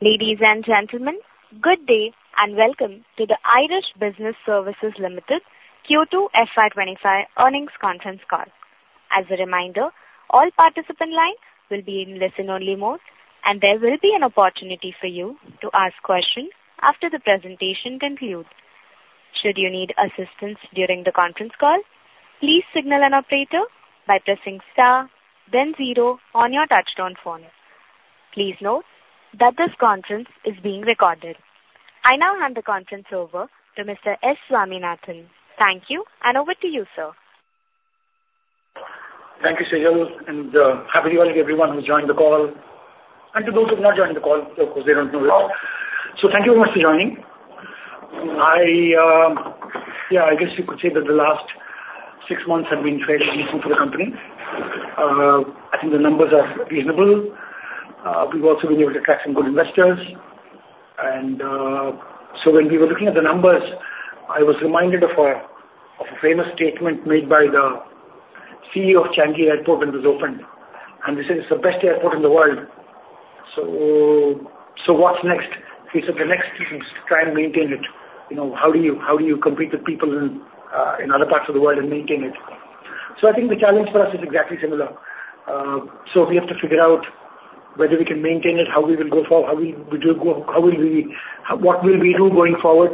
Ladies and gentlemen, good day and welcome to the IRIS Business Services Limited Q2 FY 2025 earnings conference call. As a reminder, all participants' lines will be in listen-only mode, and there will be an opportunity for you to ask questions after the presentation concludes. Should you need assistance during the conference call, please signal an operator by pressing star, then zero on your touch-tone phone. Please note that this conference is being recorded. I now hand the conference over to Mr. S. Swaminathan. Thank you, and over to you, sir. Thank you Sahil, and happy to welcome everyone who's joined the call. And to those who have not joined the call, of course, they don't know this. So thank you very much for joining. Yeah, I guess you could say that the last six months have been fairly decent for the company. I think the numbers are reasonable. We've also been able to attract some good investors. And so when we were looking at the numbers, I was reminded of a famous statement made by the CEO of Changi Airport when it was opened. And he said, "It's the best airport in the world. So what's next?" He said, "The next is to try and maintain it. How do you compete with people in other parts of the world and maintain it?" So I think the challenge for us is exactly similar. So we have to figure out whether we can maintain it, how we will go forward, how will we, what will we do going forward?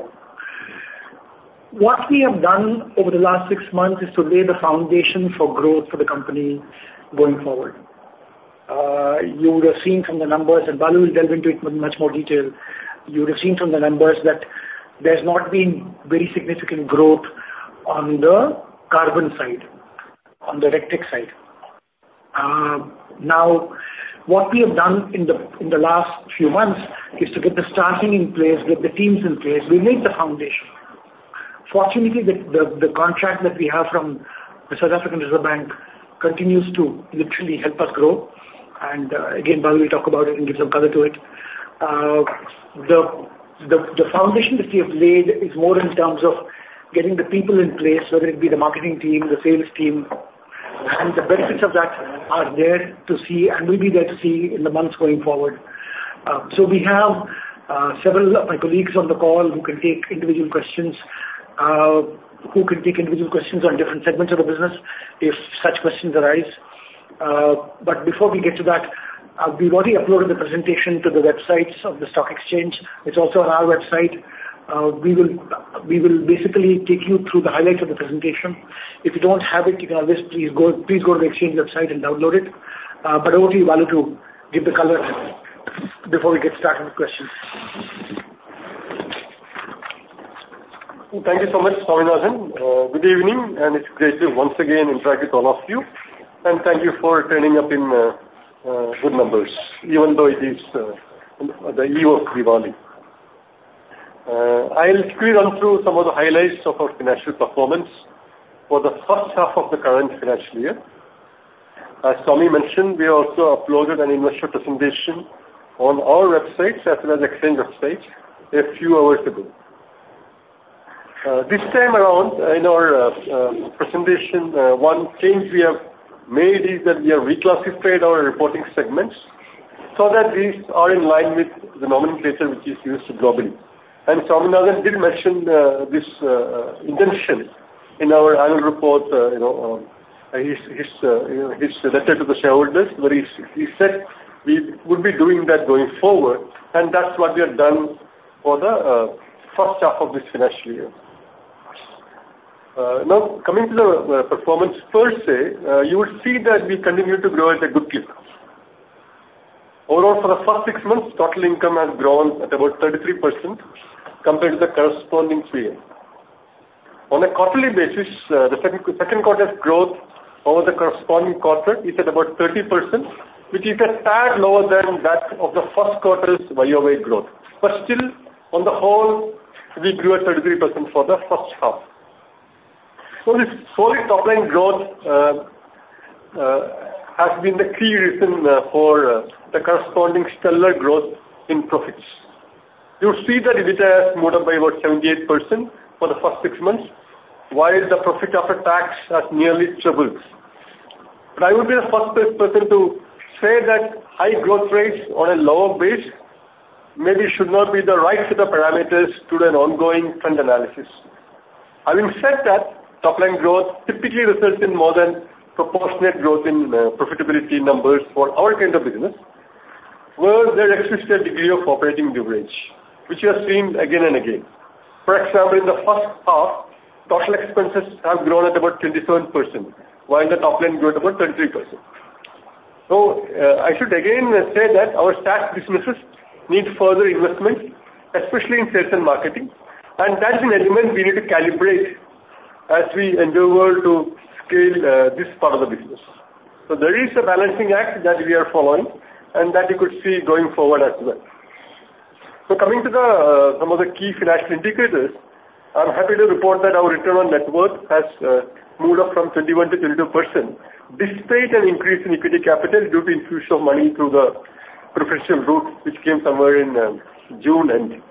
What we have done over the last six months is to lay the foundation for growth for the company going forward. You would have seen from the numbers, and Balu will delve into it in much more detail. You would have seen from the numbers that there's not been very significant growth on the carbon side, on the electric side. Now, what we have done in the last few months is to get the staffing in place, get the teams in place. We laid the foundation. Fortunately, the contract that we have from the South African Reserve Bank continues to literally help us grow. And again, Balu will talk about it and give some color to it. The foundation that we have laid is more in terms of getting the people in place, whether it be the marketing team, the sales team. And the benefits of that are there to see, and will be there to see in the months going forward. So we have several of my colleagues on the call who can take individual questions, who can take individual questions on different segments of the business if such questions arise. But before we get to that, we've already uploaded the presentation to the websites of the stock exchange. It's also on our website. We will basically take you through the highlights of the presentation. If you don't have it, you can always please go to the exchange website and download it. But I want to invite you to give the color before we get started with questions. Thank you so much, Swaminathan. Good evening, and it's great to once again interact with all of you and thank you for turning up in good numbers, even though it is the eve of Diwali. I'll quickly run through some of the highlights of our financial performance for the first half of the current financial year. As Swami mentioned, we also uploaded an investor presentation on our websites as well as the exchange website a few hours ago. This time around, in our presentation, one change we have made is that we have reclassified our reporting segments so that these are in line with the nomenclature which is used globally and Swaminathan did mention this intention in our annual report, his letter to the shareholders, where he said we would be doing that going forward, and that's what we have done for the first half of this financial year. Now, coming to the performance per se, you will see that we continue to grow at a good pace. Overall, for the first six months, total income has grown at about 33% compared to the corresponding three years. On a quarterly basis, the second quarter's growth over the corresponding quarter is at about 30%, which is a tad lower than that of the first quarter's year-over-year growth. But still, on the whole, we grew at 33% for the first half. So this solid top-line growth has been the key reason for the corresponding stellar growth in profits. You'll see that EBITDA has moved up by about 78% for the first six months, while the profit after tax has nearly tripled. But I would be the first person to say that high growth rates on a lower base maybe should not be the right set of parameters to an ongoing fund analysis. Having said that, top-line growth typically results in more than proportionate growth in profitability numbers for our kind of business, where there exists a degree of operating leverage, which we have seen again and again. For example, in the first half, total expenses have grown at about 27%, while the top-line grew at about 23%. So I should again say that our SaaS businesses need further investment, especially in sales and marketing. And that is an element we need to calibrate as we endeavor to scale this part of the business. So there is a balancing act that we are following and that you could see going forward as well. So coming to some of the key financial indicators, I'm happy to report that our return on net worth has moved up from 21% to 32% despite an increase in equity capital due to infusion of money through the preferential route, which came somewhere in June end.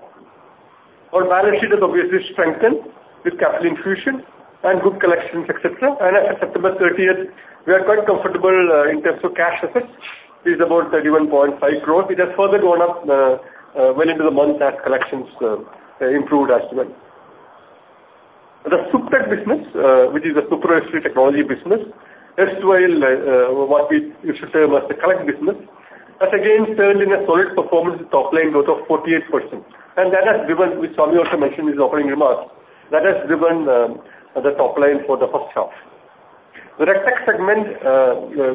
Our balance sheet has obviously strengthened with capital infusion and good collections, etc., and as of September 30th, we are quite comfortable in terms of cash assets. It is about 31.5% growth. It has further grown up well into the month as collections improved as well. The SupTech business, which is a supervisory technology business, as well as what we should term as the RegTech business, has again turned in a solid performance with top-line growth of 48%, and that has driven, which Swami also mentioned in his opening remarks, that has driven the top-line for the first half. The tech segment,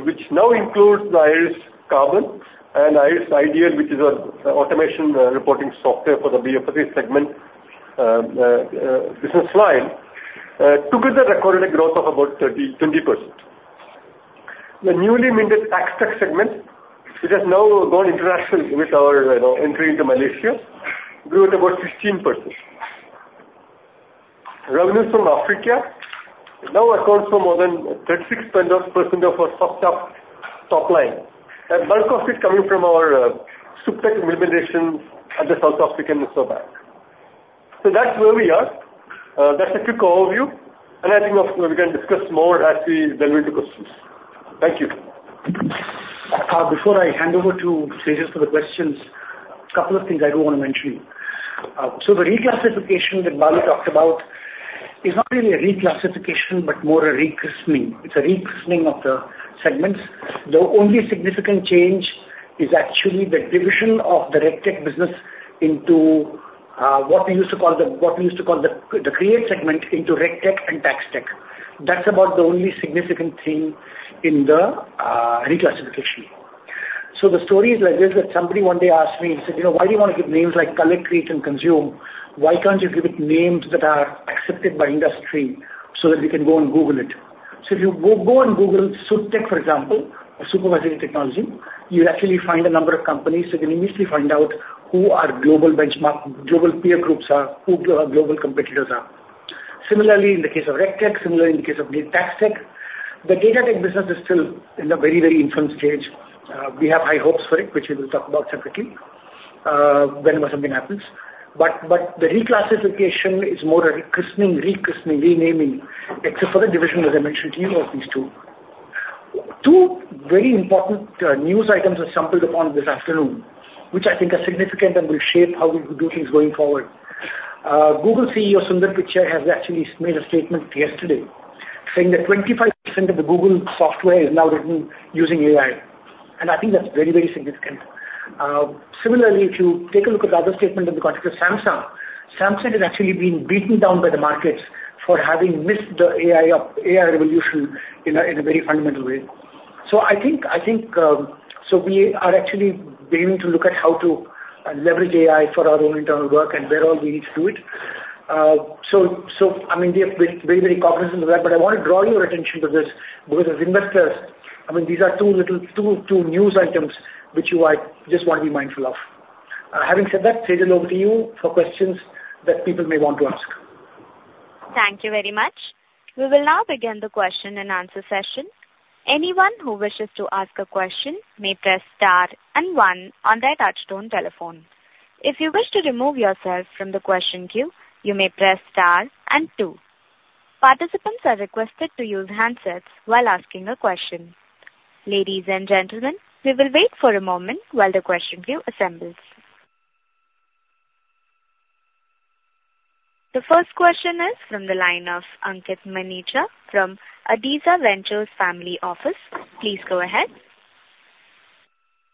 which now includes the IRIS Carbon and IRIS iDEAL, which is an automation reporting software for the BFSI segment business line, together recorded a growth of about 20%. The newly minted tax tech segment, which has now gone international with our entry into Malaysia, grew at about 15%. Revenues from Africa now account for more than 36% of our overall top line, a bulk of it coming from our SupTech implementations at the South African Reserve Bank, so that's where we are. That's a quick overview, and I think we can discuss more as we delve into questions. Thank you. Before I hand over to Servo for the questions, a couple of things I do want to mention. So the reclassification that Balu talked about is not really a reclassification, but more a rechristening. It's a rechristening of the segments. The only significant change is actually the division of the RegTech business into what we used to call the create segment into RegTech and TaxTech. That's about the only significant thing in the reclassification. So the story is like this, that somebody one day asked me, he said, "Why do you want to give names like collect, create, and consume? Why can't you give it names that are accepted by industry so that we can go and Google it?" So if you go and Google SupTech, for example, or supervisory technology, you actually find a number of companies. You can immediately find out who our global benchmark, global peer groups are, who our global competitors are. Similarly, in the case of RegTech, similarly in the case of TaxTech, the data tech business is still in a very, very infant stage. We have high hopes for it, which we will talk about separately whenever something happens. But the reclassification is more a rechristening, renaming, except for the division, as I mentioned to you, of these two. Two very important news items were stumbled upon this afternoon, which I think are significant and will shape how we do things going forward. Google CEO Sundar Pichai has actually made a statement yesterday saying that 25% of the Google software is now written using AI. And I think that's very, very significant. Similarly, if you take a look at the other statement in the context of Samsung, Samsung has actually been beaten down by the markets for having missed the AI revolution in a very fundamental way. So I think we are actually beginning to look at how to leverage AI for our own internal work and where all we need to do it. So I mean, we have been very, very cognizant of that. But I want to draw your attention to this because as investors, I mean, these are two news items which you just want to be mindful of. Having said that, Sahil, over to you for questions that people may want to ask. Thank you very much. We will now begin the question and answer session. Anyone who wishes to ask a question may press star and one on their touchtone telephone. If you wish to remove yourself from the question queue, you may press star and two. Participants are requested to use handsets while asking a question. Ladies and gentlemen, we will wait for a moment while the question queue assembles. The first question is from the line of Ankit Manicha from Aditya Ventures Family Office. Please go ahead.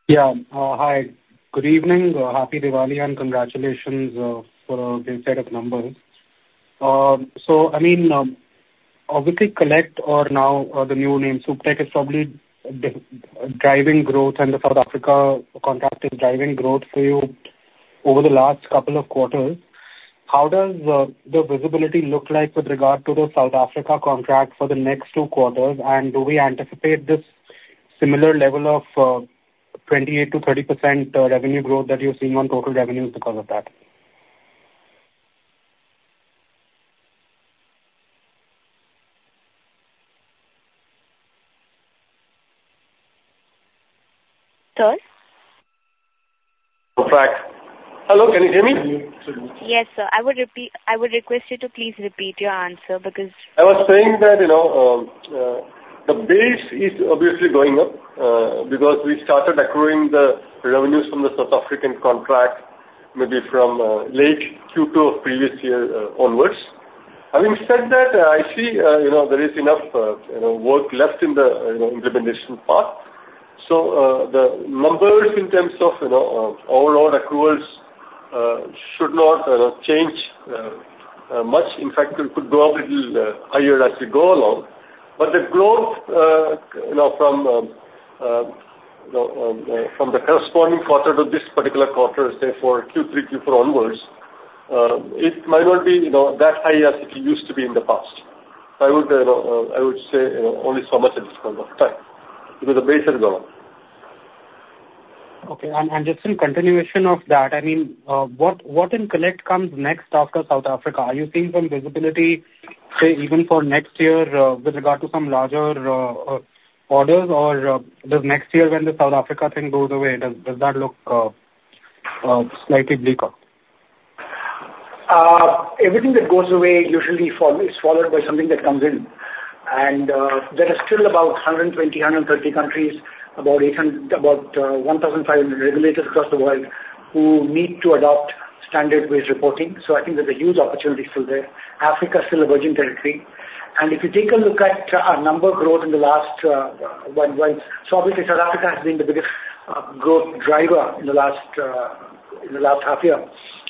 Yeah. Hi. Good evening. Happy Diwali and congratulations for a great set of numbers. I mean, obviously, Collector now the new name SupTech is probably driving growth, and the South Africa contract is driving growth for you over the last couple of quarters. How does the visibility look like with regard to the South Africa contract for the next two quarters? And do we anticipate this similar level of 28%-30% revenue growth that you've seen on total revenues because of that? Sir? In fact. Hello. Can you hear me? Yes, sir. I would request you to please repeat your answer because. I was saying that the base is obviously going up because we started accruing the revenues from the South African contract maybe from late Q2 of previous year onwards. Having said that, I see there is enough work left in the implementation part. So the numbers in terms of overall accruals should not change much. In fact, it could go up a little higher as we go along. But the growth from the corresponding quarter to this particular quarter, say, for Q3, Q4 onwards, it might not be that high as it used to be in the past. So I would say only so much at this point of time because the base has gone. Okay. And just in continuation of that, I mean, what in collect comes next after South Africa? Are you seeing some visibility, say, even for next year with regard to some larger orders, or does next year when the South Africa thing goes away, does that look slightly bleaker? Everything that goes away usually is followed by something that comes in, and there are still about 120, 130 countries, about 1,500 regulators across the world who need to adopt standard-based reporting, so I think there's a huge opportunity still there. Africa is still a virgin territory, and if you take a look at our number growth in the last one month, so obviously, South Africa has been the biggest growth driver in the last half year,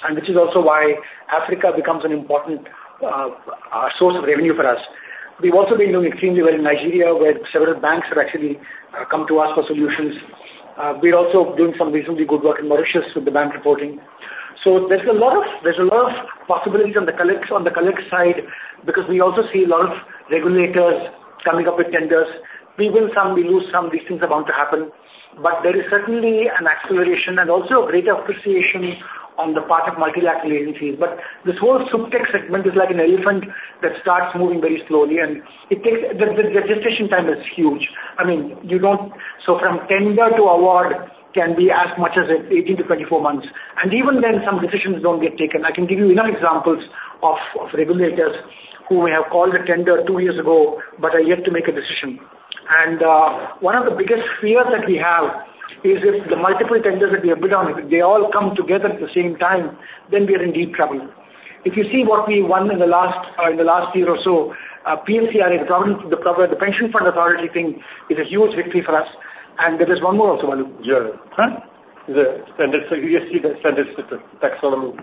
and this is also why Africa becomes an important source of revenue for us. We've also been doing extremely well in Nigeria, where several banks have actually come to us for solutions. We're also doing some reasonably good work in Mauritius with the bank reporting. So there's a lot of possibilities on the collect side because we also see a lot of regulators coming up with tenders. We win some, we lose some. These things are bound to happen. But there is certainly an acceleration and also a greater appreciation on the part of multilateral agencies. But this whole SupTech segment is like an elephant that starts moving very slowly, and the gestation time is huge. I mean, so from tender to award can be as much as 18 months-24 months. And even then, some decisions don't get taken. I can give you enough examples of regulators who may have called a tender two years ago, but are yet to make a decision. One of the biggest fears that we have is if the multiple tenders that we have bid on, if they all come together at the same time, then we are in deep trouble. If you see what we won in the last year or so, PFRDA, the Pension Fund Authority thing is a huge victory for us. There is one more also, Balu. Yeah, and it's the ESG tax on.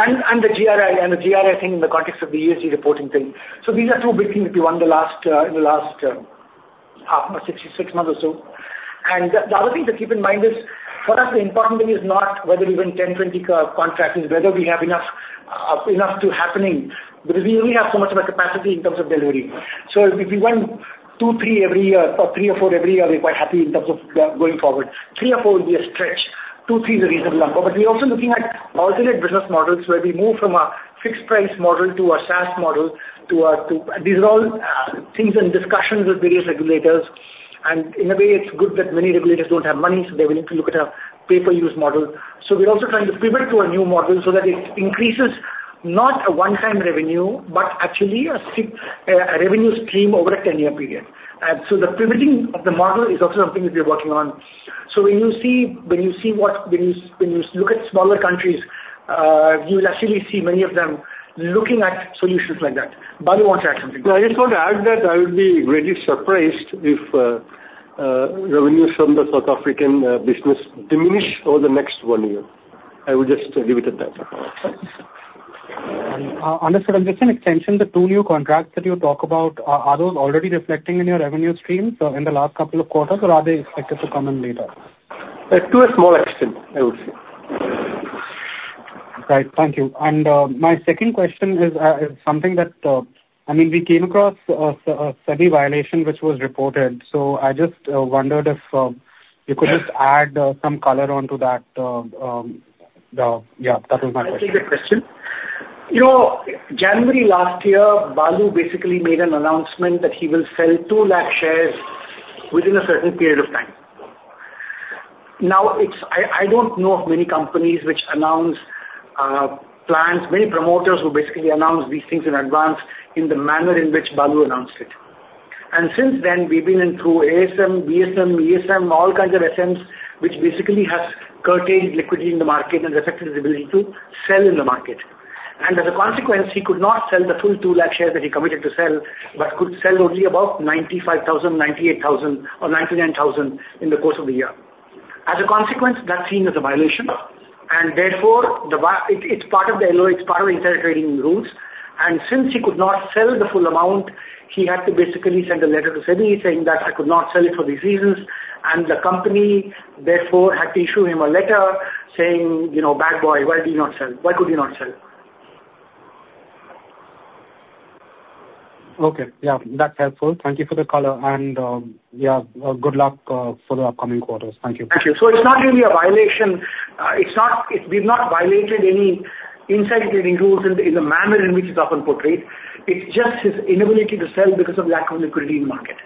And the GRI thing in the context of the ESG reporting thing. So these are two big things that we won in the last six months or so. And the other thing to keep in mind is, for us, the important thing is not whether we win 10, 20 contracts, whether we have enough happening because we only have so much of a capacity in terms of delivery. So if we win two, three every year, or three or four every year, we're quite happy in terms of going forward. Three or four would be a stretch. Two, three is a reasonable number. But we're also looking at alternate business models where we move from a fixed price model to a SaaS model. These are all things and discussions with various regulators. And in a way, it's good that many regulators don't have money, so they will need to look at a pay-per-use model. So we're also trying to pivot to a new model so that it increases not a one-time revenue, but actually a revenue stream over a 10-year period. And so the pivoting of the model is also something that we're working on. So when you look at smaller countries, you will actually see many of them looking at solutions like that. Balu wants to add something. I just want to add that I would be greatly surprised if revenues from the South African business diminish over the next one year. I would just leave it at that. Understood, and just in extension, the two new contracts that you talk about, are those already reflecting in your revenue stream in the last couple of quarters, or are they expected to come in later? To a small extent, I would say. Right. Thank you. And my second question is something that, I mean, we came across a SEBI violation which was reported. So I just wondered if you could just add some color onto that. Yeah, that was my question. I have a quick question. January last year, Balu basically made an announcement that he will sell two lakh shares within a certain period of time. Now, I don't know of many companies which announce plans, many promoters who basically announce these things in advance in the manner in which Balu announced it, and since then, we've been in through ASM, GSM, ESM, all kinds of SMs, which basically has curtailed liquidity in the market and affected his ability to sell in the market, and as a consequence, he could not sell the full 2 lakh shares that he committed to sell, but could sell only about 95,000, 98,000, or 99,000 in the course of the year. As a consequence, that's seen as a violation, and therefore, it's part of the LOA, it's part of the insider trading rules. Since he could not sell the full amount, he had to basically send a letter to SEBI saying that I could not sell it for these reasons. The company therefore had to issue him a letter saying, "Bad boy, why did you not sell? Why could you not sell? Okay. Yeah. That's helpful. Thank you for the color. And yeah, good luck for the upcoming quarters. Thank you. Thank you. So it's not really a violation. We've not violated any insider trading rules in the manner in which it's often portrayed. It's just his inability to sell because of lack of liquidity in the market.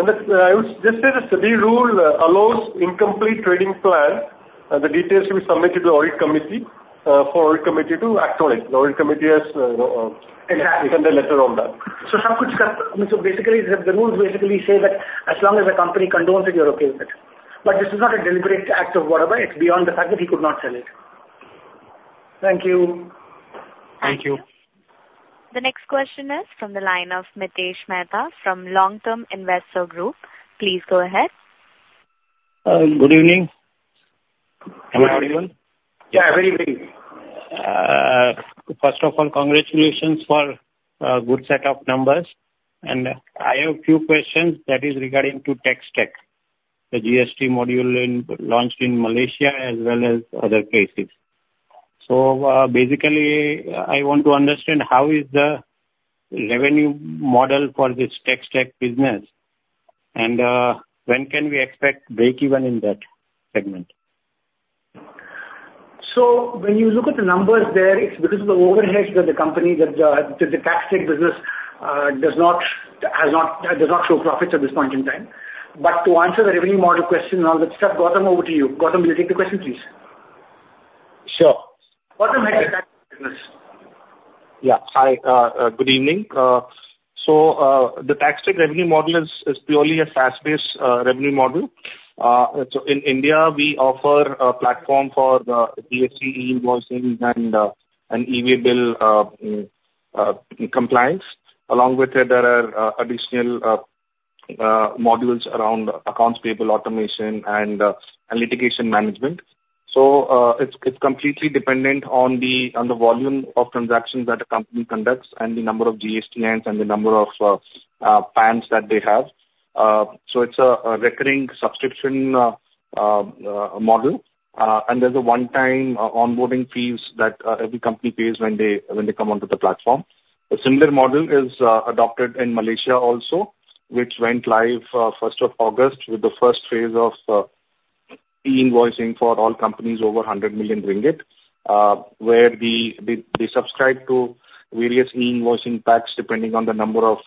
Just say the SEBI rule allows incomplete trading plan. The details should be submitted to the audit committee for the audit committee to acknowledge. The audit committee has sent a letter on that. So basically, the rules basically say that as long as a company condones it, you're okay with it. But this is not a deliberate act of whatever. It's beyond the fact that he could not sell it. Thank you. Thank you. The next question is from the line of Mitesh Mehta from Long Term Investor Group. Please go ahead. Good evening. Good evening. How are you? Yeah, very good. First of all, congratulations for a good set of numbers, and I have a few questions that is regarding to TaxTech, the GST module launched in Malaysia as well as other places, so basically, I want to understand how is the revenue model for this TaxTech business, and when can we expect break-even in that segment? So when you look at the numbers there, it's because of the overhead that the company, the tax tech business, does not show profits at this point in time. But to answer the revenue model question and all that stuff, Gautam, over to you. Gautam, will you take the question, please? Sure. Gautam, head of the tax business. Yeah. Hi. Good evening, so the tax tech revenue model is purely a SaaS-based revenue model, so in India, we offer a platform for GST e-invoicing and e-way bill compliance. Along with it, there are additional modules around accounts payable automation and litigation management, so it's completely dependent on the volume of transactions that a company conducts and the number of GSTNs and the number of PANs that they have, so it's a recurring subscription model, and there's a one-time onboarding fees that every company pays when they come onto the platform. A similar model is adopted in Malaysia also, which went live 1st of August with the first phase of e-invoicing for all companies over 100 million ringgit, where they subscribe to various e-invoicing packs depending on the number of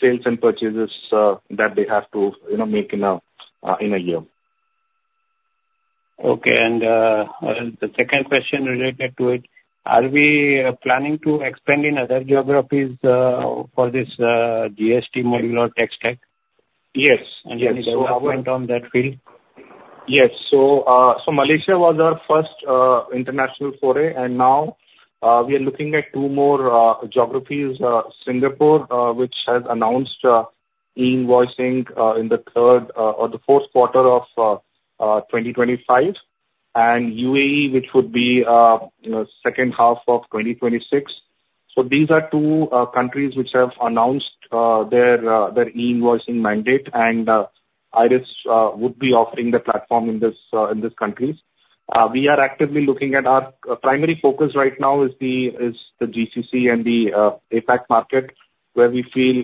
sales and purchases that they have to make in a year. Okay. And the second question related to it, are we planning to expand in other geographies for this GST module or TaxTech? Yes. Can you comment on that field? Yes. So Malaysia was our first international foray. And now we are looking at two more geographies: Singapore, which has announced e-invoicing in the third or the fourth quarter of 2025, and UAE, which would be second half of 2026. So these are two countries which have announced their e-invoicing mandate, and IRIS would be offering the platform in these countries. We are actively looking at our primary focus right now is the GCC and the APAC market, where we feel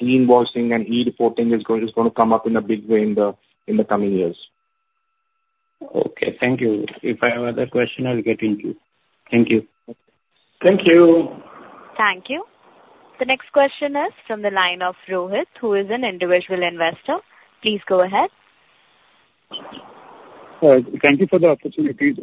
e-invoicing and e-reporting is going to come up in a big way in the coming years. Okay. Thank you. If I have other questions, I'll get into. Thank you. Thank you. Thank you. The next question is from the line of Rohit, who is an individual investor. Please go ahead. Thank you for the opportunity.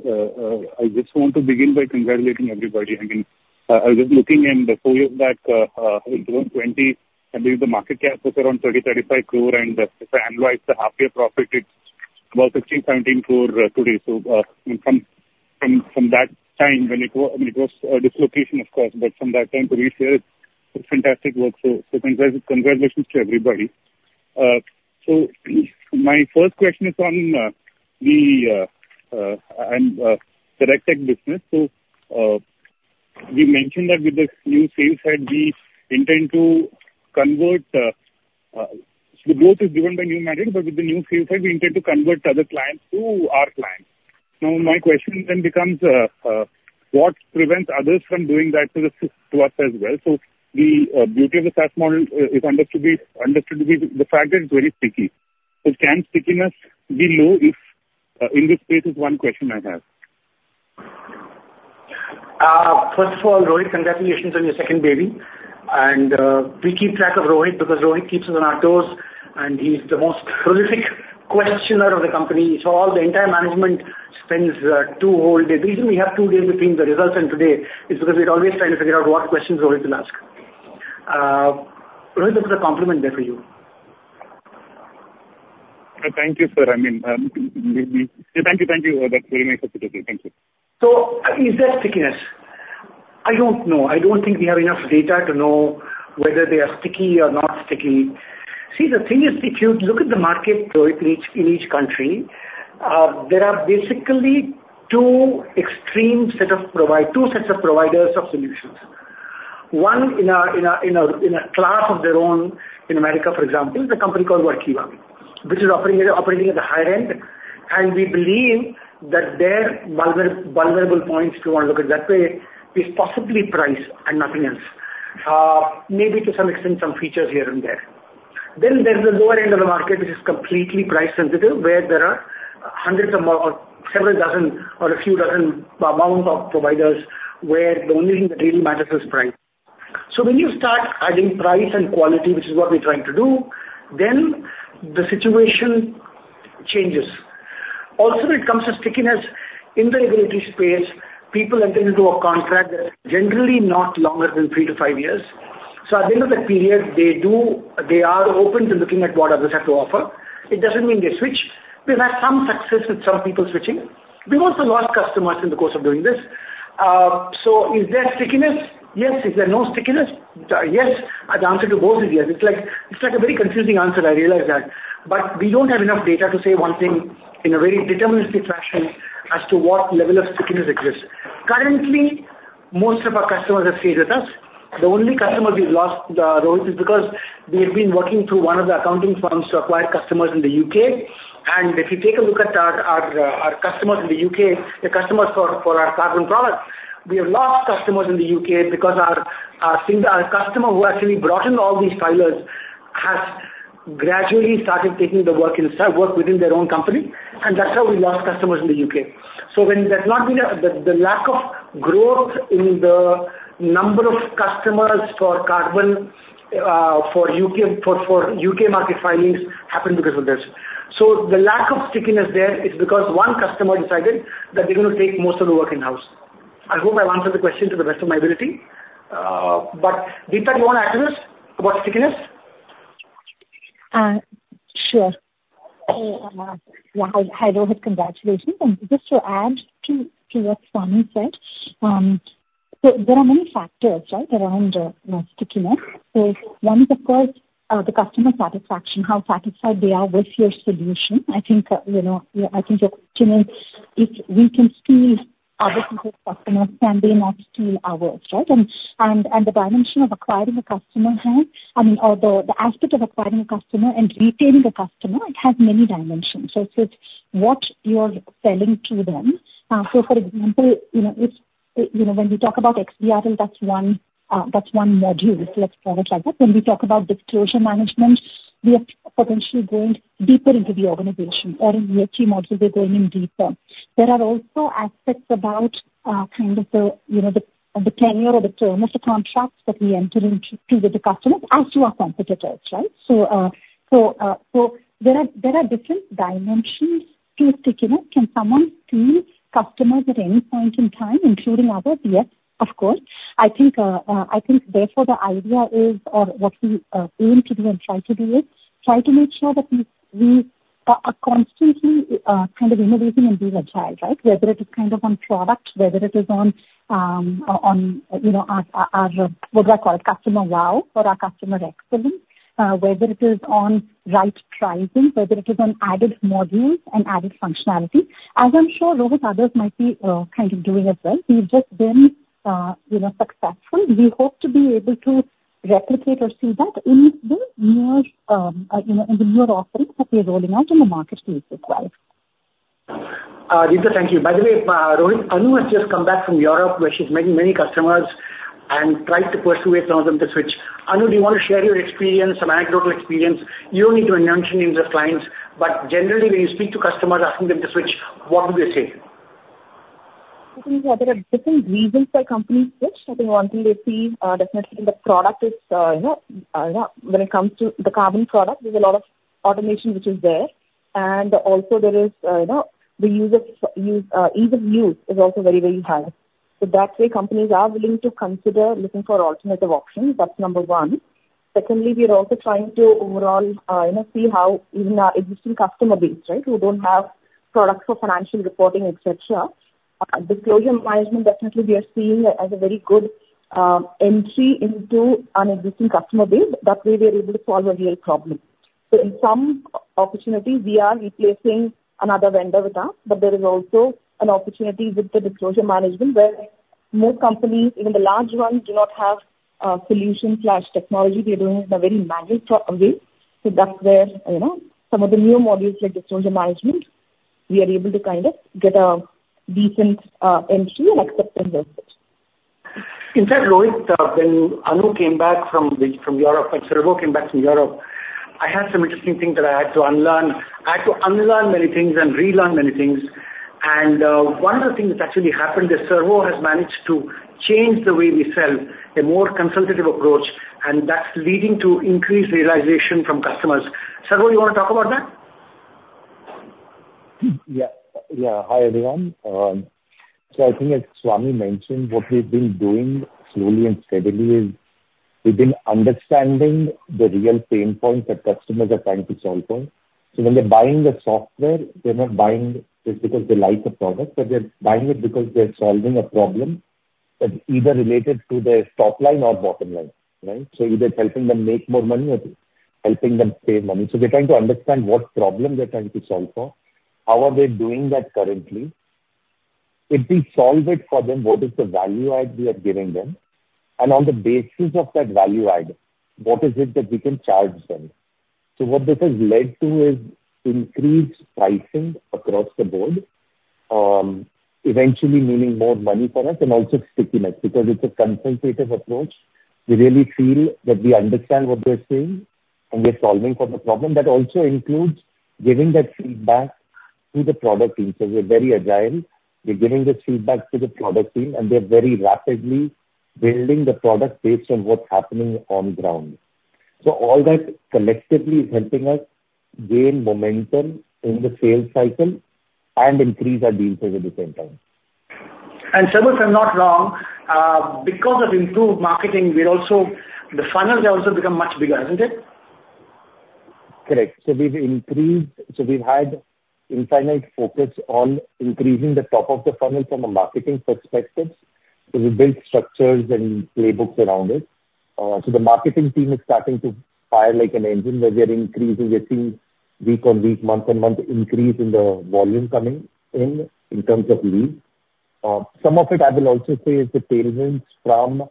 I just want to begin by congratulating everybody. I mean, I was looking in the four years back, 2020, I believe the market cap was around 30-35 crore, and if I analyze the half-year profit, it's about 16-17 crore today, so from that time, when it was a dislocation, of course, but from that time to this year, it's fantastic work, so congratulations to everybody, so my first question is on the direct tech business, so we mentioned that with this new sales head, we intend to convert the growth is driven by new mandate, but with the new sales head, we intend to convert other clients to our clients. Now, my question then becomes, what prevents others from doing that to us as well, so the beauty of the SaaS model is understood to be the fact that it's very sticky. So, can stickiness be low in this space? Is one question I have? First of all, Rohit, congratulations on your second baby, and we keep track of Rohit because Rohit keeps us on our toes, and he's the most prolific questioner of the company, so all the entire management spends two whole days. The reason we have two days between the results and today is because we're always trying to figure out what questions Rohit will ask. Rohit, that was a compliment there for you. Thank you, sir. I mean, thank you. Thank you. That's very nice of you to say. Thank you. So is there stickiness? I don't know. I don't think we have enough data to know whether they are sticky or not sticky. See, the thing is, if you look at the market in each country, there are basically two extreme sets of providers, two sets of providers of solutions. One in a class of their own in America, for example, is a company called Workiva, which is operating at the higher end. And we believe that their vulnerable points, if you want to look at it that way, is possibly price and nothing else. Maybe to some extent, some features here and there. Then there's the lower end of the market, which is completely price-sensitive, where there are hundreds of several dozen or a few dozen amounts of providers where the only thing that really matters is price. So when you start adding price and quality, which is what we're trying to do, then the situation changes. Also, when it comes to stickiness in the regulatory space, people enter into a contract that's generally not longer than three to five years. So at the end of the period, they are open to looking at what others have to offer. It doesn't mean they switch. We've had some success with some people switching. We've also lost customers in the course of doing this. So is there stickiness? Yes. Is there no stickiness? Yes. The answer to both is yes. It's like a very confusing answer. I realize that. But we don't have enough data to say one thing in a very deterministic fashion as to what level of stickiness exists. Currently, most of our customers have stayed with us. The only customer we've lost, Rohit, is because we have been working through one of the accounting firms to acquire customers in the U.K. And if you take a look at our customers in the U.K., the customers for our carbon product, we have lost customers in the U.K. because our customer who actually brought in all these filers has gradually started taking the work within their own company. And that's how we lost customers in the U.K. So when there's not been the lack of growth in the number of customers for U.K. market filings happened because of this. So the lack of stickiness there is because one customer decided that they're going to take most of the work in-house. I hope I've answered the question to the best of my ability. But Deepta, do you want to add to this about stickiness? Sure. Yeah. Hi, Rohit. Congratulations. And just to add to what Swami said, so there are many factors, right, around stickiness. So one is, of course, the customer satisfaction, how satisfied they are with your solution. I think your question is, if we can steal others' customers, can they not steal ours, right? And the dimension of acquiring a customer, I mean, or the aspect of acquiring a customer and retaining a customer, it has many dimensions. So it's what you're selling to them. So for example, when we talk about XBRL, that's one module. So let's call it like that. When we talk about disclosure management, we are potentially going deeper into the organization. Or in the FT module, we're going in deeper. There are also aspects about kind of the tenure or the term of the contracts that we enter into with the customers as to our competitors, right? So there are different dimensions to stickiness. Can someone steal customers at any point in time, including others? Yes, of course. I think therefore the idea is, or what we aim to do and try to do is try to make sure that we are constantly kind of innovating and being agile, right? Whether it is kind of on product, whether it is on our, what do I call it, customer wow or our customer excellence, whether it is on right pricing, whether it is on added modules and added functionality. As I'm sure Rohit and others might be kind of doing as well. We've just been successful. We hope to be able to replicate or see that in the newer offerings that we're rolling out in the marketplace as well. Deepta, thank you. By the way, Rohit, Anu has just come back from Europe, where she's met many customers and tried to persuade some of them to switch. Anu, do you want to share your experience, some anecdotal experience? You don't need to mention any of the clients. But generally, when you speak to customers asking them to switch, what do they say? I think there are different reasons why companies switch. I think one thing they see definitely in the product is when it comes to the carbon product, there's a lot of automation which is there, and also there is the ease of use is also very, very high, so that's why companies are willing to consider looking for alternative options. That's number one. Secondly, we are also trying to overall see how even our existing customer base, right, who don't have products for financial reporting, etc., disclosure management definitely we are seeing as a very good entry into an existing customer base. That way, we are able to solve a real problem, so in some opportunities, we are replacing another vendor with us, but there is also an opportunity with the disclosure management where most companies, even the large ones, do not have solutions/technology. They're doing it in a very manual way, so that's where some of the new modules like disclosure management, we are able to kind of get a decent entry and acceptance of it. In fact, Rohit, when Anu came back from Europe and Servo came back from Europe, I had some interesting things that I had to unlearn. I had to unlearn many things and relearn many things. And one of the things that actually happened is Servo has managed to change the way we sell, a more consultative approach, and that's leading to increased realization from customers. Servo, you want to talk about that? Yeah. Yeah. Hi, everyone. So I think, as Swami mentioned, what we've been doing slowly and steadily is we've been understanding the real pain points that customers are trying to solve for. So when they're buying the software, they're not buying just because they like the product, but they're buying it because they're solving a problem that's either related to their top line or bottom line, right? So either helping them make more money or helping them save money. So they're trying to understand what problem they're trying to solve for, how are they doing that currently, if we solve it for them, what is the value add we are giving them? And on the basis of that value add, what is it that we can charge them? So what this has led to is increased pricing across the board, eventually meaning more money for us and also stickiness because it's a consultative approach. We really feel that we understand what they're saying, and we're solving for the problem. That also includes giving that feedback to the product team. So we're very agile. We're giving this feedback to the product team, and they're very rapidly building the product based on what's happening on the ground. So all that collectively is helping us gain momentum in the sales cycle and increase our deals at the same time. Servo, if I'm not wrong, because of improved marketing, the funnels have also become much bigger, hasn't it? Correct, so we've increased, so we've had infinite focus on increasing the top of the funnel from a marketing perspective, so we've built structures and playbooks around it, so the marketing team is starting to fire like an engine where we are increasing. We're seeing week on week, month on month, increase in the volume coming in in terms of leads. Some of it, I will also say, is the tailwinds from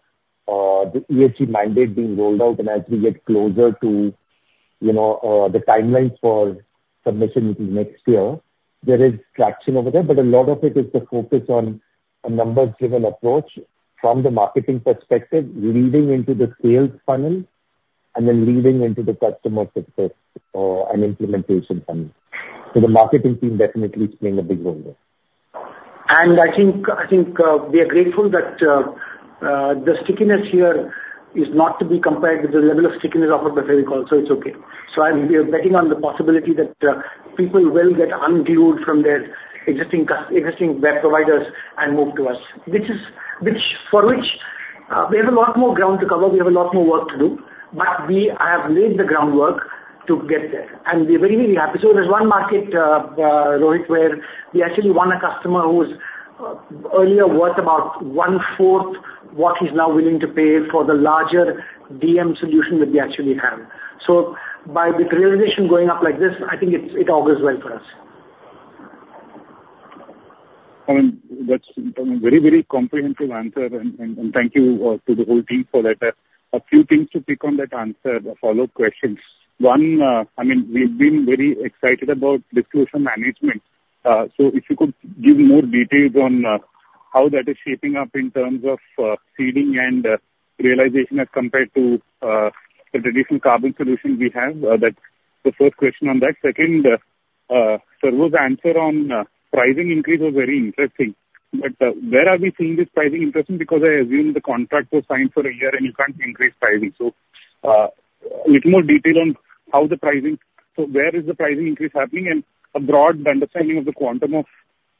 the ESG mandate being rolled out, and as we get closer to the timelines for submission next year, there is traction over there, but a lot of it is the focus on a numbers-driven approach from the marketing perspective, leading into the sales funnel and then leading into the customer success and implementation funnel, so the marketing team definitely is playing a big role there. And I think we are grateful that the stickiness here is not to be compared with the level of stickiness offered by Fevicol also. It's okay. So we are betting on the possibility that people will get unglued from their existing providers and move to us, which for which we have a lot more ground to cover. We have a lot more work to do, but we have laid the groundwork to get there. And we're very, very happy. So there's one market, Rohit, where we actually won a customer who's earlier worth about one-fourth what he's now willing to pay for the larger DM solution that we actually have. So by the realization going up like this, I think it augurs well for us. I mean, that's a very, very comprehensive answer, and thank you to the whole team for that. A few things to pick on that answer, follow-up questions. One, I mean, we've been very excited about disclosure management. So if you could give more details on how that is shaping up in terms of seeding and realization as compared to the traditional carbon solution we have, that's the first question on that. Second, Servo's answer on pricing increase was very interesting. But where are we seeing this pricing increase? Because I assume the contract was signed for a year, and you can't increase pricing. So a little more detail on how the pricing so where is the pricing increase happening? And a broad understanding of the quantum of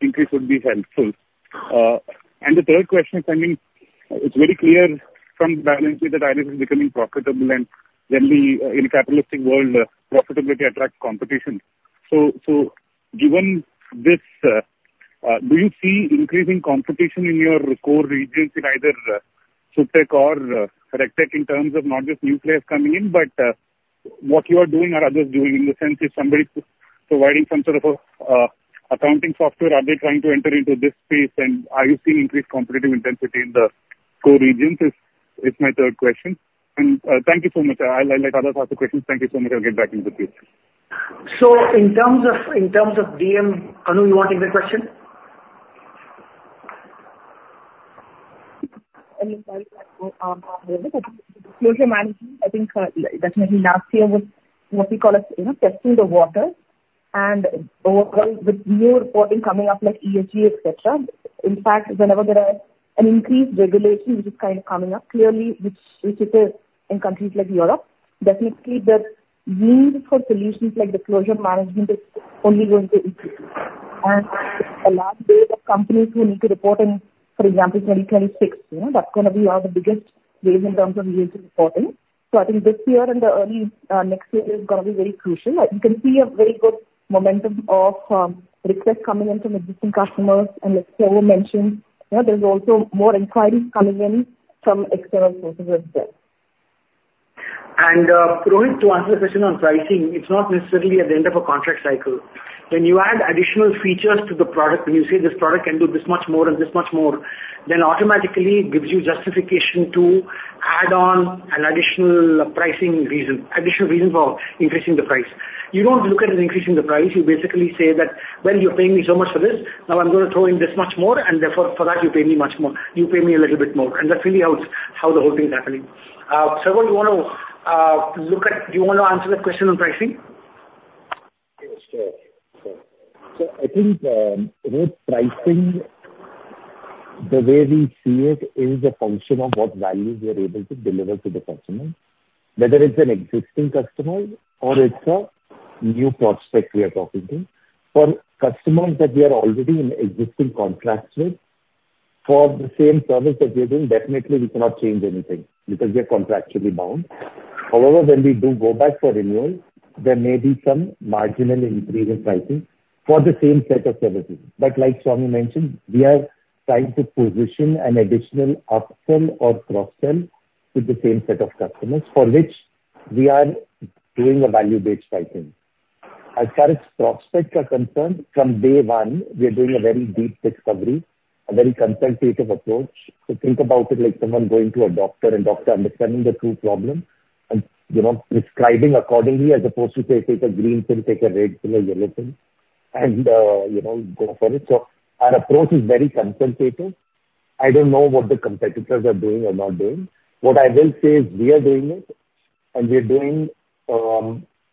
increase would be helpful. And the third question is, I mean, it's very clear from balance sheet that IRIS is becoming profitable. In a capitalistic world, profitability attracts competition. Given this, do you see increasing competition in your core regions in either SupTech or RegTech in terms of not just new players coming in, but what you are doing or others doing in the sense if somebody's providing some sort of accounting software, are they trying to enter into this space? Are you seeing increased competitive intensity in the core regions? It's my third question. Thank you so much. I'll let others ask the questions. Thank you so much. I'll get back into the field. So in terms of DM, Anu, you want to take the question? Disclosure management, I think definitely last year was what we call testing the water. And with new reporting coming up like ESG, etc., in fact, whenever there is an increased regulatory which is kind of coming up clearly, which is in countries like Europe, definitely the need for solutions like disclosure management is only going to increase. And a large wave of companies who need to report in, for example, 2026, that's going to be one of the biggest waves in terms of year two reporting. So I think this year and the early next year is going to be very crucial. You can see a very good momentum of requests coming in from existing customers. And like Servo mentioned, there's also more inquiries coming in from external sources as well. Rohit, to answer the question on pricing, it's not necessarily at the end of a contract cycle. When you add additional features to the product, when you say this product can do this much more and this much more, then automatically gives you justification to add on an additional pricing reason, additional reason for increasing the price. You don't look at it as increasing the price. You basically say that, "Well, you're paying me so much for this. Now I'm going to throw in this much more. And therefore, for that, you pay me much more. You pay me a little bit more." That's really how the whole thing is happening. Servo, do you want to answer the question on pricing? Sure. Sure. So I think with pricing, the way we see it is a function of what value we are able to deliver to the customer, whether it's an existing customer or it's a new prospect we are talking to. For customers that we are already in existing contracts with, for the same service that we are doing, definitely we cannot change anything because we are contractually bound. However, when we do go back for renewal, there may be some marginal increase in pricing for the same set of services. But like Swami mentioned, we are trying to position an additional upsell or cross-sell with the same set of customers for which we are doing a value-based pricing. As far as prospects are concerned, from day one, we are doing a very deep discovery, a very consultative approach. So think about it like someone going to a doctor and doctor understanding the true problem and prescribing accordingly as opposed to say, "Take a green pill, take a red pill, a yellow pill, and go for it." So our approach is very consultative. I don't know what the competitors are doing or not doing. What I will say is we are doing it, and we are doing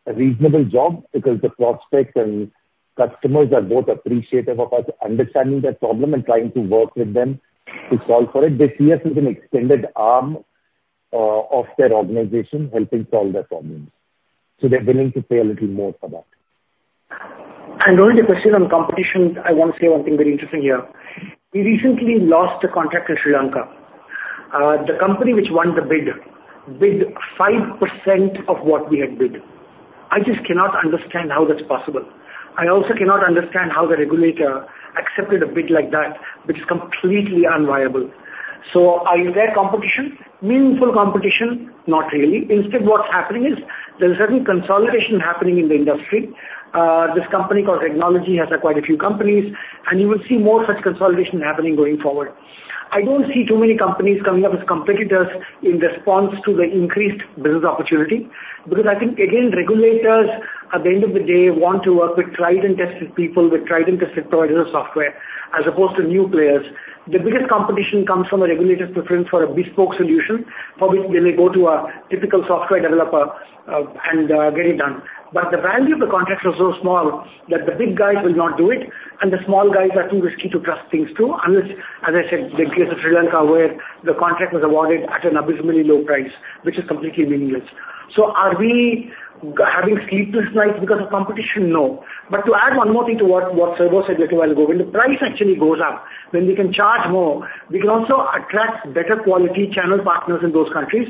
a reasonable job because the prospects and customers are both appreciative of us understanding their problem and trying to work with them to solve for it. This year has been an extended arm of their organization helping solve their problems. So they're willing to pay a little more for that. Rohit, a question on competition. I want to say one thing very interesting here. We recently lost a contract in Sri Lanka. The company which won the bid bid 5% of what we had bid. I just cannot understand how that's possible. I also cannot understand how the regulator accepted a bid like that, which is completely unviable, so is there competition? Meaningful competition? Not really. Instead, what's happening is there's a certain consolidation happening in the industry. This company called Regnology has acquired a few companies, and you will see more such consolidation happening going forward. I don't see too many companies coming up as competitors in response to the increased business opportunity because I think, again, regulators at the end of the day want to work with tried and tested people, with tried and tested providers of software as opposed to new players. The biggest competition comes from a regulator's preference for a bespoke solution for which they may go to a typical software developer and get it done. But the value of the contract is so small that the big guys will not do it, and the small guys are too risky to trust things to unless, as I said, the case of Sri Lanka where the contract was awarded at an abysmally low price, which is completely meaningless. So are we having sleepless nights because of competition? No. But to add one more thing to what Servo said a little while ago, when the price actually goes up, when we can charge more, we can also attract better quality channel partners in those countries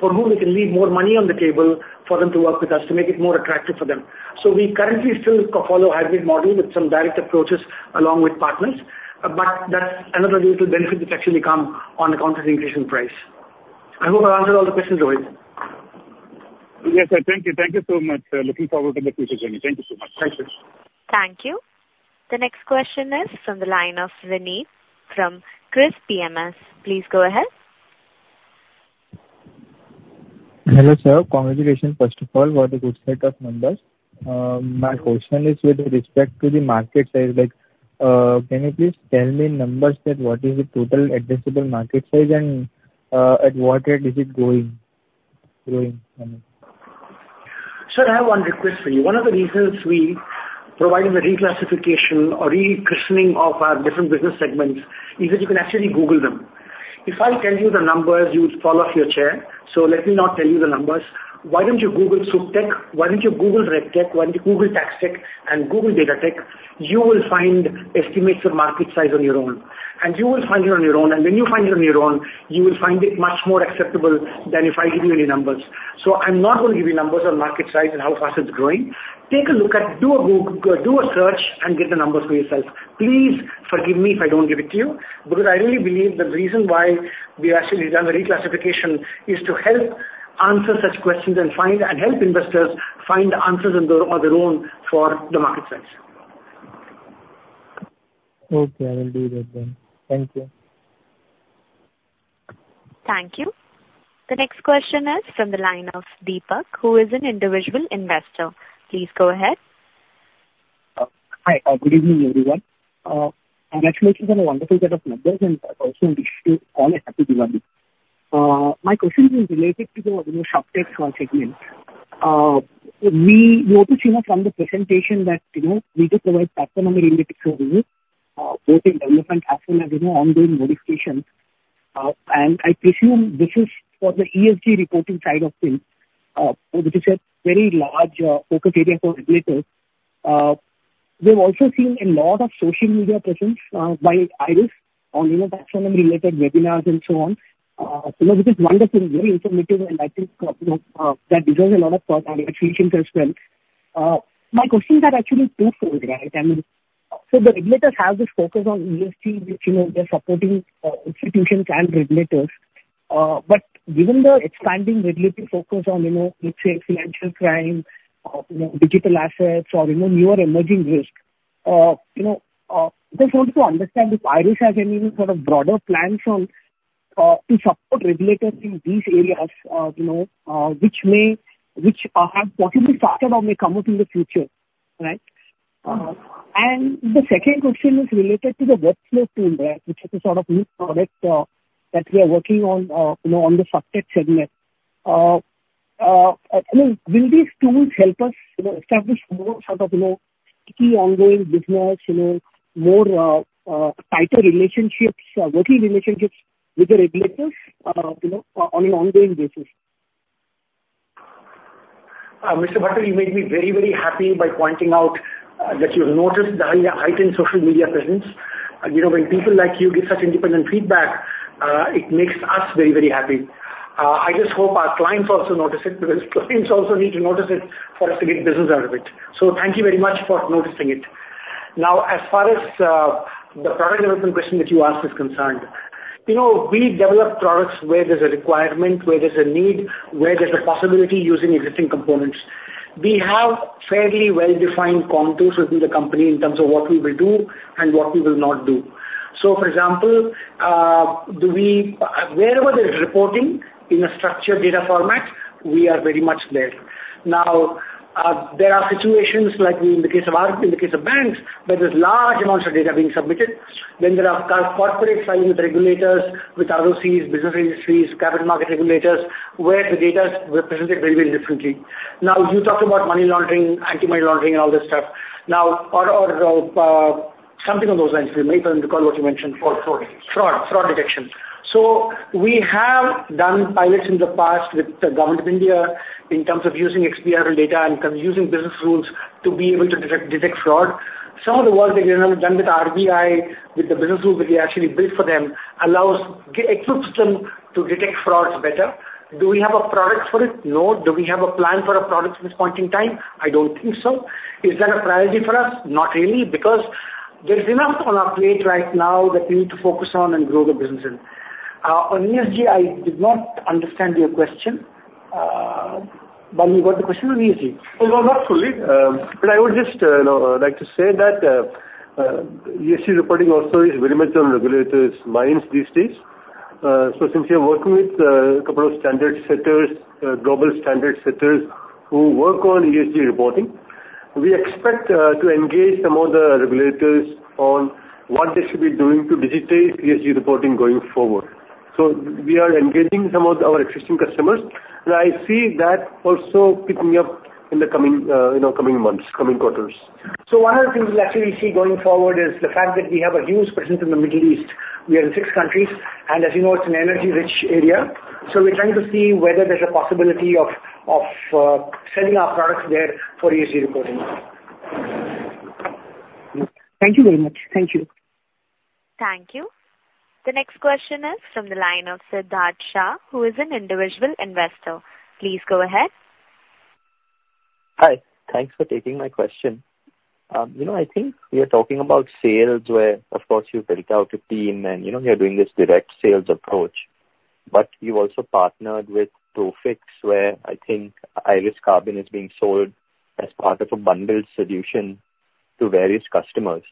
for whom we can leave more money on the table for them to work with us to make it more attractive for them. We currently still follow a hybrid model with some direct approaches along with partners, but that's another little benefit that's actually come on account of the increase in price. I hope I've answered all the questions, Rohit. Yes, I thank you. Thank you so much. Looking forward to the future journey. Thank you so much. Thank you. Thank you. The next question is from the line of Vineet from KRIIS PMS. Please go ahead. Hello sir. Congratulations first of all for the good set of numbers. My question is with respect to the market size. Can you please tell me in numbers what is the total addressable market size and at what rate is it going? Sir, I have one request for you. One of the reasons we provided the reclassification or rechristening of our different business segments is that you can actually Google them. If I tell you the numbers, you would fall off your chair. So let me not tell you the numbers. Why don't you Google SupTech? Why don't you Google RegTech? Why don't you Google TaxTech and Google DataTech? You will find estimates of market size on your own. And you will find it on your own. And when you find it on your own, you will find it much more acceptable than if I give you any numbers. So I'm not going to give you numbers on market size and how fast it's growing. Take a look at it. Do a search and get the numbers for yourself. Please forgive me if I don't give it to you because I really believe the reason why we actually done the reclassification is to help answer such questions and help investors find answers on their own for the market size. Okay. I will do that then. Thank you. Thank you. The next question is from the line of Deepak, who is an individual investor. Please go ahead. Hi. Good evening, everyone. Congratulations on a wonderful set of numbers, and I also wish you all a happy Diwali. My question is related to the SupTech segment. We also see from the presentation that we do provide part-time and related services, both in development as well as ongoing modifications. And I presume this is for the ESG reporting side of things, which is a very large focus area for regulators. We have also seen a lot of social media presence by IRIS on taxonomy-related webinars and so on. So this is wonderful, very informative, and I think that deserves a lot of congratulations as well. My questions are actually twofold, right? So the regulators have this focus on ESG, which they're supporting institutions and regulators. But given the expanding regulatory focus on, let's say, financial crime, digital assets, or newer emerging risk, there's a need to understand if IRIS has any sort of broader plans to support regulators in these areas, which have possibly started or may come up in the future, right? And the second question is related to the workflow tool, which is a sort of new product that we are working on the SupTech segment. I mean, will these tools help us establish more sort of key ongoing business, more tighter relationships, working relationships with the regulators on an ongoing basis? Mr. Bhatta, you made me very, very happy by pointing out that you've noticed the heightened social media presence. When people like you give such independent feedback, it makes us very, very happy. I just hope our clients also notice it because clients also need to notice it for us to get business out of it. So thank you very much for noticing it. Now, as far as the product development question that you asked is concerned, we develop products where there's a requirement, where there's a need, where there's a possibility using existing components. We have fairly well-defined contours within the company in terms of what we will do and what we will not do. So for example, wherever there's reporting in a structured data format, we are very much there. Now, there are situations like in the case of banks, where there's large amounts of data being submitted. Then there are corporate filings with regulators, with ROCs, business registries, capital market regulators, where the data is presented very, very differently. Now, you talked about money laundering, anti-money laundering, and all this stuff. Now, or something along those lines, maybe I can recall what you mentioned. Fraud. Fraud. Fraud detection. We have done pilots in the past with the Government of India in terms of using XBRL data and using business rules to be able to detect fraud. Some of the work that we have done with RBI, with the business rules that we actually built for them, equips them to detect frauds better. Do we have a product for it? No. Do we have a plan for a product at this point in time? I don't think so. Is that a priority for us? Not really, because there's enough on our plate right now that we need to focus on and grow the business in. On ESG, I did not understand your question, but you got the question on ESG. It was not fully, but I would just like to say that ESG reporting also is very much on regulators' minds these days. So since we are working with a couple of standard setters, global standard setters who work on ESG reporting, we expect to engage some of the regulators on what they should be doing to digitize ESG reporting going forward. So we are engaging some of our existing customers, and I see that also picking up in the coming months, coming quarters. One of the things we actually see going forward is the fact that we have a huge presence in the Middle East. We are in six countries, and as you know, it's an energy-rich area. We're trying to see whether there's a possibility of selling our products there for ESG reporting. Thank you very much. Thank you. Thank you. The next question is from the line of Siddharth Shah, who is an individual investor. Please go ahead. Hi. Thanks for taking my question. I think we are talking about sales where, of course, you've built out a team, and you're doing this direct sales approach, but you've also partnered with Prophix, where I think IRIS Carbon is being sold as part of a bundled solution to various customers.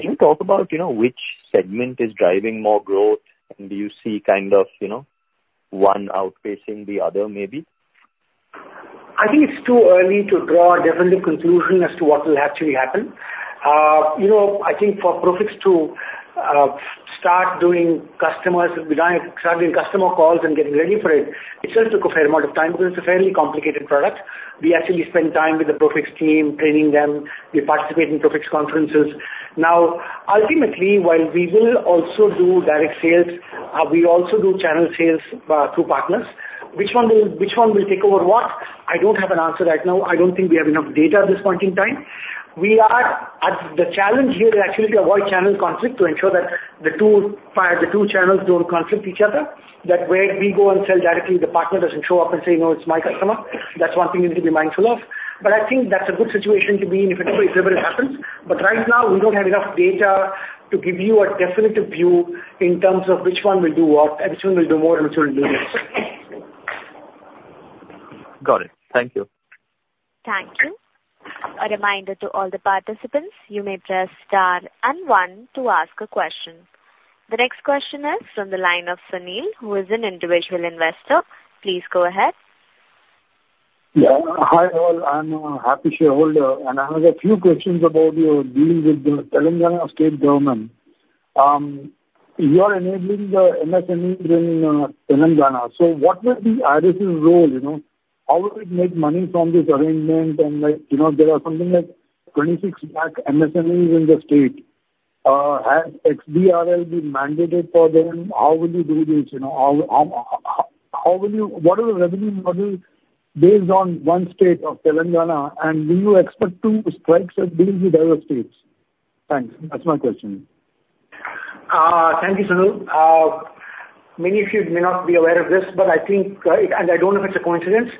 Can you talk about which segment is driving more growth, and do you see kind of one outpacing the other maybe? I think it's too early to draw a definitive conclusion as to what will actually happen. I think for Prophix to start doing customers starting customer calls and getting ready for it, it still took a fair amount of time because it's a fairly complicated product. We actually spent time with the Prophix team, training them. We participate in Prophix conferences. Now, ultimately, while we will also do direct sales, we also do channel sales through partners. Which one will take over what? I don't have an answer right now. I don't think we have enough data at this point in time. The challenge here is actually to avoid channel conflict to ensure that the two channels don't conflict each other, that where we go and sell directly, the partner doesn't show up and say, "No, it's my customer." That's one thing you need to be mindful of. But I think that's a good situation to be in if ever it happens. But right now, we don't have enough data to give you a definitive view in terms of which one will do what, which one will do more, and which one will do less. Got it. Thank you. Thank you. A reminder to all the participants, you may press star and one to ask a question. The next question is from the line of Sunil, who is an individual investor. Please go ahead. Yeah. Hi all. I'm a happy shareholder, and I have a few questions about your deal with the Telangana State Government. You are enabling the MSMEs in Telangana. So what will be IRIS's role? How will it make money from this arrangement? And there are something like 26 lakh MSMEs in the state. Has XBRL been mandated for them? How will you do this? What is the revenue model based on one state of Telangana? And do you expect to strike deals with other states? Thanks. That's my question. Thank you, Sunil. Many of you may not be aware of this, but I think, and I don't know if it's a coincidence,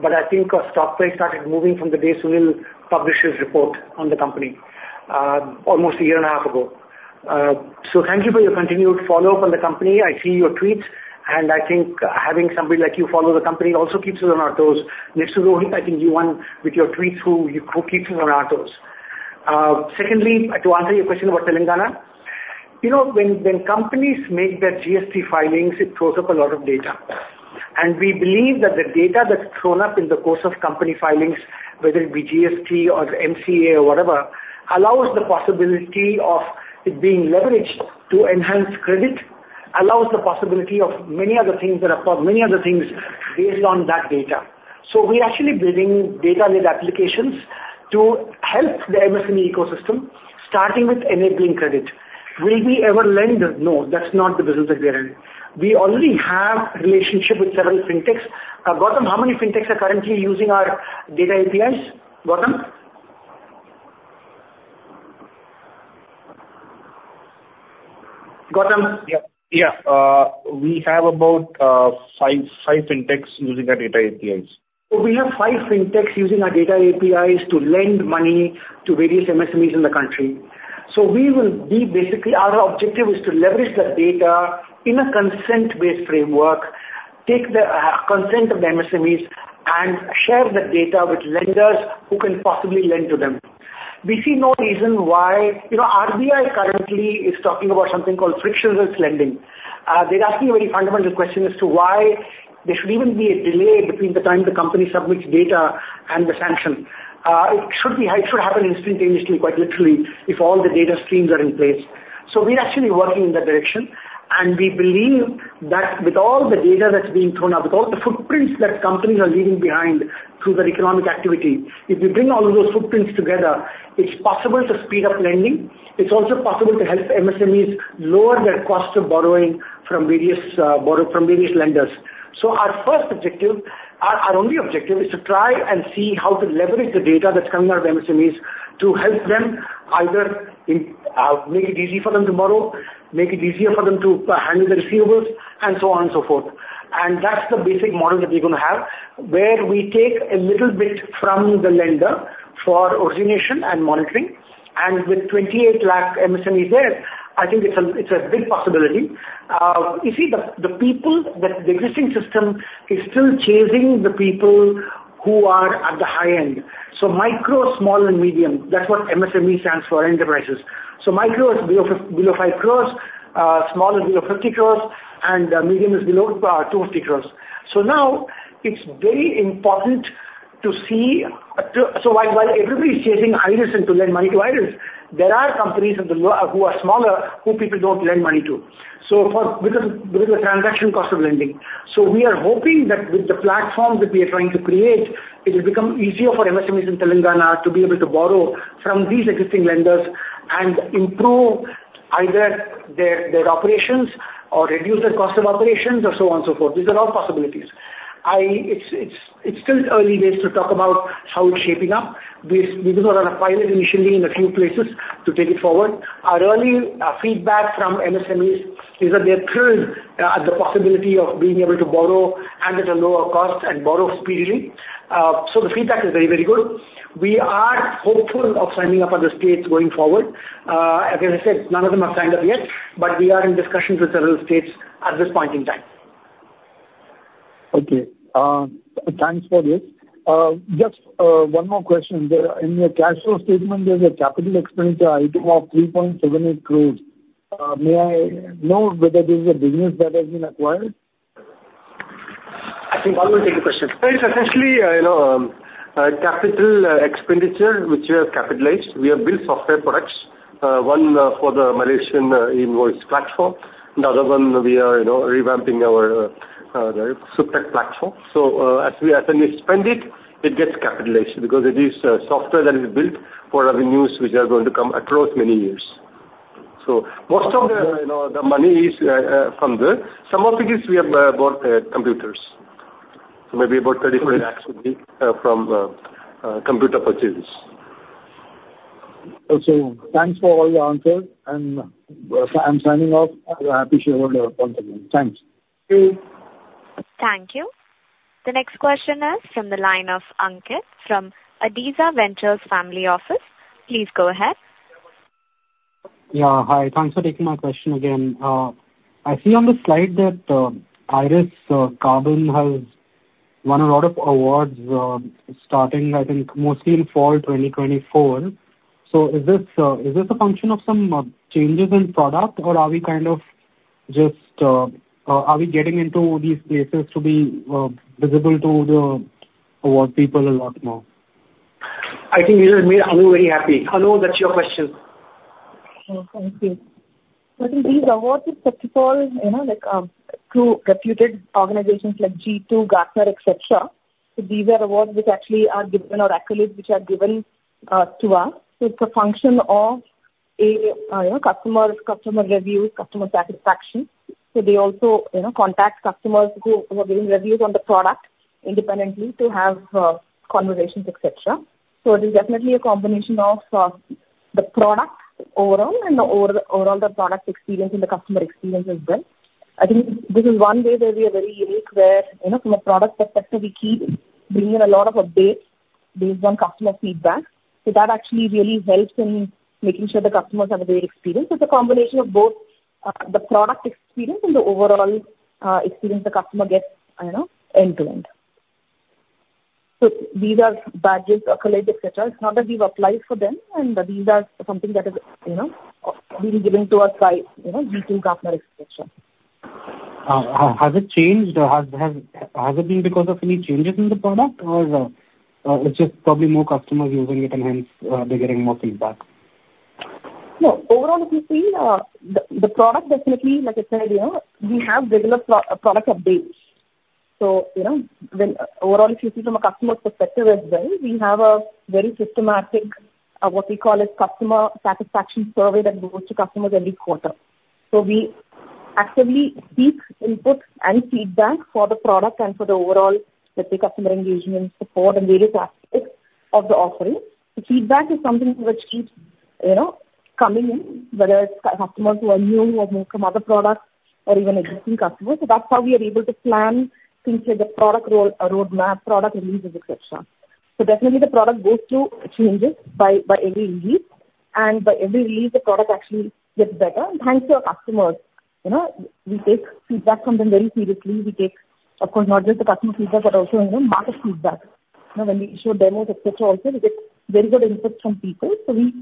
but I think StockPlay started moving from the day Sunil published his report on the company almost a year and a half ago, so thank you for your continued follow-up on the company. I see your tweets, and I think having somebody like you follow the company also keeps us on our toes. Next to Rohit, I think you won with your tweets who keeps us on our toes. Secondly, to answer your question about Telangana, when companies make their GST filings, it throws up a lot of data. We believe that the data that's thrown up in the course of company filings, whether it be GST or MCA or whatever, allows the possibility of it being leveraged to enhance credit, allows the possibility of many other things that are many other things based on that data. So we're actually building data-led applications to help the MSME ecosystem, starting with enabling credit. Will we ever lend? No, that's not the business that we are in. We already have a relationship with several fintechs. Gautam, how many fintechs are currently using our data APIs? Gautam? Gautam? Yeah. We have about five fintechs using our data APIs. So we have five fintechs using our data APIs to lend money to various MSMEs in the country. So we will be basically our objective is to leverage the data in a consent-based framework, take the consent of the MSMEs, and share the data with lenders who can possibly lend to them. We see no reason why RBI currently is talking about something called frictionless lending. They're asking a very fundamental question as to why there should even be a delay between the time the company submits data and the sanction. It should happen instantaneously, quite literally, if all the data streams are in place. So we're actually working in that direction. We believe that with all the data that's being thrown up, with all the footprints that companies are leaving behind through their economic activity, if we bring all of those footprints together, it's possible to speed up lending. It's also possible to help MSMEs lower their cost of borrowing from various lenders. Our first objective, our only objective, is to try and see how to leverage the data that's coming out of MSMEs to help them either make it easy for them to borrow, make it easier for them to handle the receivables, and so on and so forth. That's the basic model that we're going to have, where we take a little bit from the lender for origination and monitoring. With 28 lakh MSMEs there, I think it's a big possibility. You see, the existing system is still chasing the people who are at the high end, so micro, small, and medium, that's what MSME stands for, enterprises, so micro is below 5 crores, small is below 50 crores, and medium is below 250 crores, so now, it's very important to see so while everybody's chasing IRIS and to lend money to IRIS, there are companies who are smaller who people don't lend money to because of the transaction cost of lending, so we are hoping that with the platform that we are trying to create, it will become easier for MSMEs in Telangana to be able to borrow from these existing lenders and improve either their operations or reduce their cost of operations or so on and so forth. These are all possibilities. It's still early days to talk about how it's shaping up. We did a lot of pilot initially in a few places to take it forward. Our early feedback from MSMEs is that they're thrilled at the possibility of being able to borrow and at a lower cost and borrow speedily, so the feedback is very, very good. We are hopeful of signing up other states going forward. As I said, none of them have signed up yet, but we are in discussions with several states at this point in time. Okay. Thanks for this. Just one more question. In your cash flow statement, there's a capital expenditure item of 3.78 crores. May I know whether this is a business that has been acquired? I think I will take the question. It's essentially capital expenditure, which we have capitalized. We have built software products, one for the Malaysian invoice platform, and the other one we are revamping our SupTech platform. So as soon as we spend it, it gets capitalized because it is software that is built for revenues which are going to come across many years. So most of the money is from there. Some of it is we have bought computers. So maybe about 3,000,000 would be from computer purchases. Okay. Thanks for all the answers, and I'm signing off. I appreciate all your contributions. Thanks. Thank you. Thank you. The next question is from the line of Ankit from Aditya Ventures Family Office. Please go ahead. Yeah. Hi. Thanks for taking my question again. I see on the slide that IRIS Carbon has won a lot of awards starting, I think, mostly in fall 2024. So is this a function of some changes in product, or are we kind of just getting into these places to be visible to the award people a lot more? I think we will be very happy. Anu, that's your question. Thank you. So I think these awards are specifically to reputed organizations like G2, Gartner, etc. So these are awards which actually are given or accolades which are given to us. So it's a function of customer reviews, customer satisfaction. So they also contact customers who are giving reviews on the product independently to have conversations, etc. So it is definitely a combination of the product overall and overall the product experience and the customer experience as well. I think this is one way where we are very unique, where from a product perspective, we keep bringing a lot of updates based on customer feedback. So that actually really helps in making sure the customers have a great experience. It's a combination of both the product experience and the overall experience the customer gets end to end. So these are badges, accolades, etc. It's not that we've applied for them, and these are something that is being given to us by G2, Gartner, etc. Has it changed? Has it been because of any changes in the product, or it's just probably more customers using it, and hence they're getting more feedback? No. Overall, if you see, the product definitely, like I said, we have regular product updates. So overall, if you see from a customer's perspective as well, we have a very systematic what we call a customer satisfaction survey that goes to customers every quarter. So we actively seek input and feedback for the product and for the overall, let's say, customer engagement, support, and various aspects of the offering. The feedback is something which keeps coming in, whether it's customers who are new, who have moved from other products, or even existing customers. So that's how we are able to plan things like the product roadmap, product releases, etc. So definitely, the product goes through changes by every release, and by every release, the product actually gets better. And thanks to our customers, we take feedback from them very seriously. We take, of course, not just the customer feedback, but also market feedback. When we show demos, etc., also we get very good input from people. So we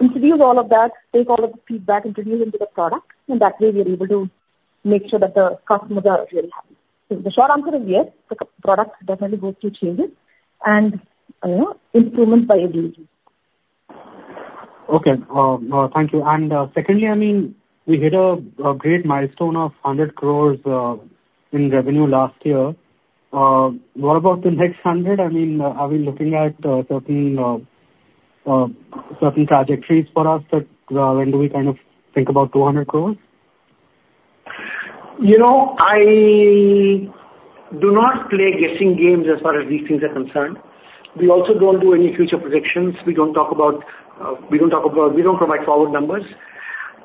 introduce all of that, take all of the feedback, introduce it into the product, and that way we are able to make sure that the customers are really happy. So the short answer is yes. The product definitely goes through changes and improvements by every release. Okay. Thank you, and secondly, I mean, we hit a great milestone of 100 crores in revenue last year. What about the next 100? I mean, are we looking at certain trajectories for us that when do we kind of think about 200 crores? I do not play guessing games as far as these things are concerned. We also don't do any future predictions. We don't talk about. We don't provide forward numbers.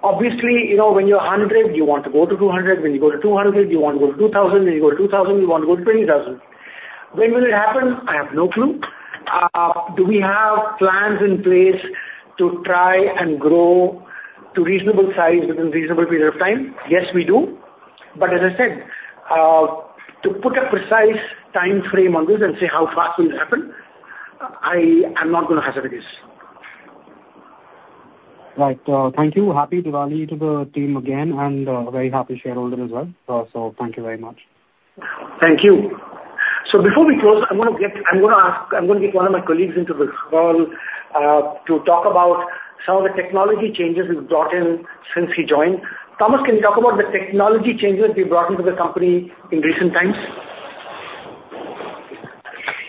Obviously, when you're 100, you want to go to 200. When you go to 200, you want to go to 2,000. When you go to 2,000, you want to go to 20,000. When will it happen? I have no clue. Do we have plans in place to try and grow to reasonable size within a reasonable period of time? Yes, we do, but as I said, to put a precise time frame on this and say how fast will it happen, I am not going to hazard this. Right. Thank you. Happy Diwali to the team again, and very happy shareholders as well. So thank you very much. Thank you, so before we close, I'm going to get one of my colleagues into this call to talk about some of the technology changes we've brought in since he joined. Thomas, can you talk about the technology changes we've brought into the company in recent times?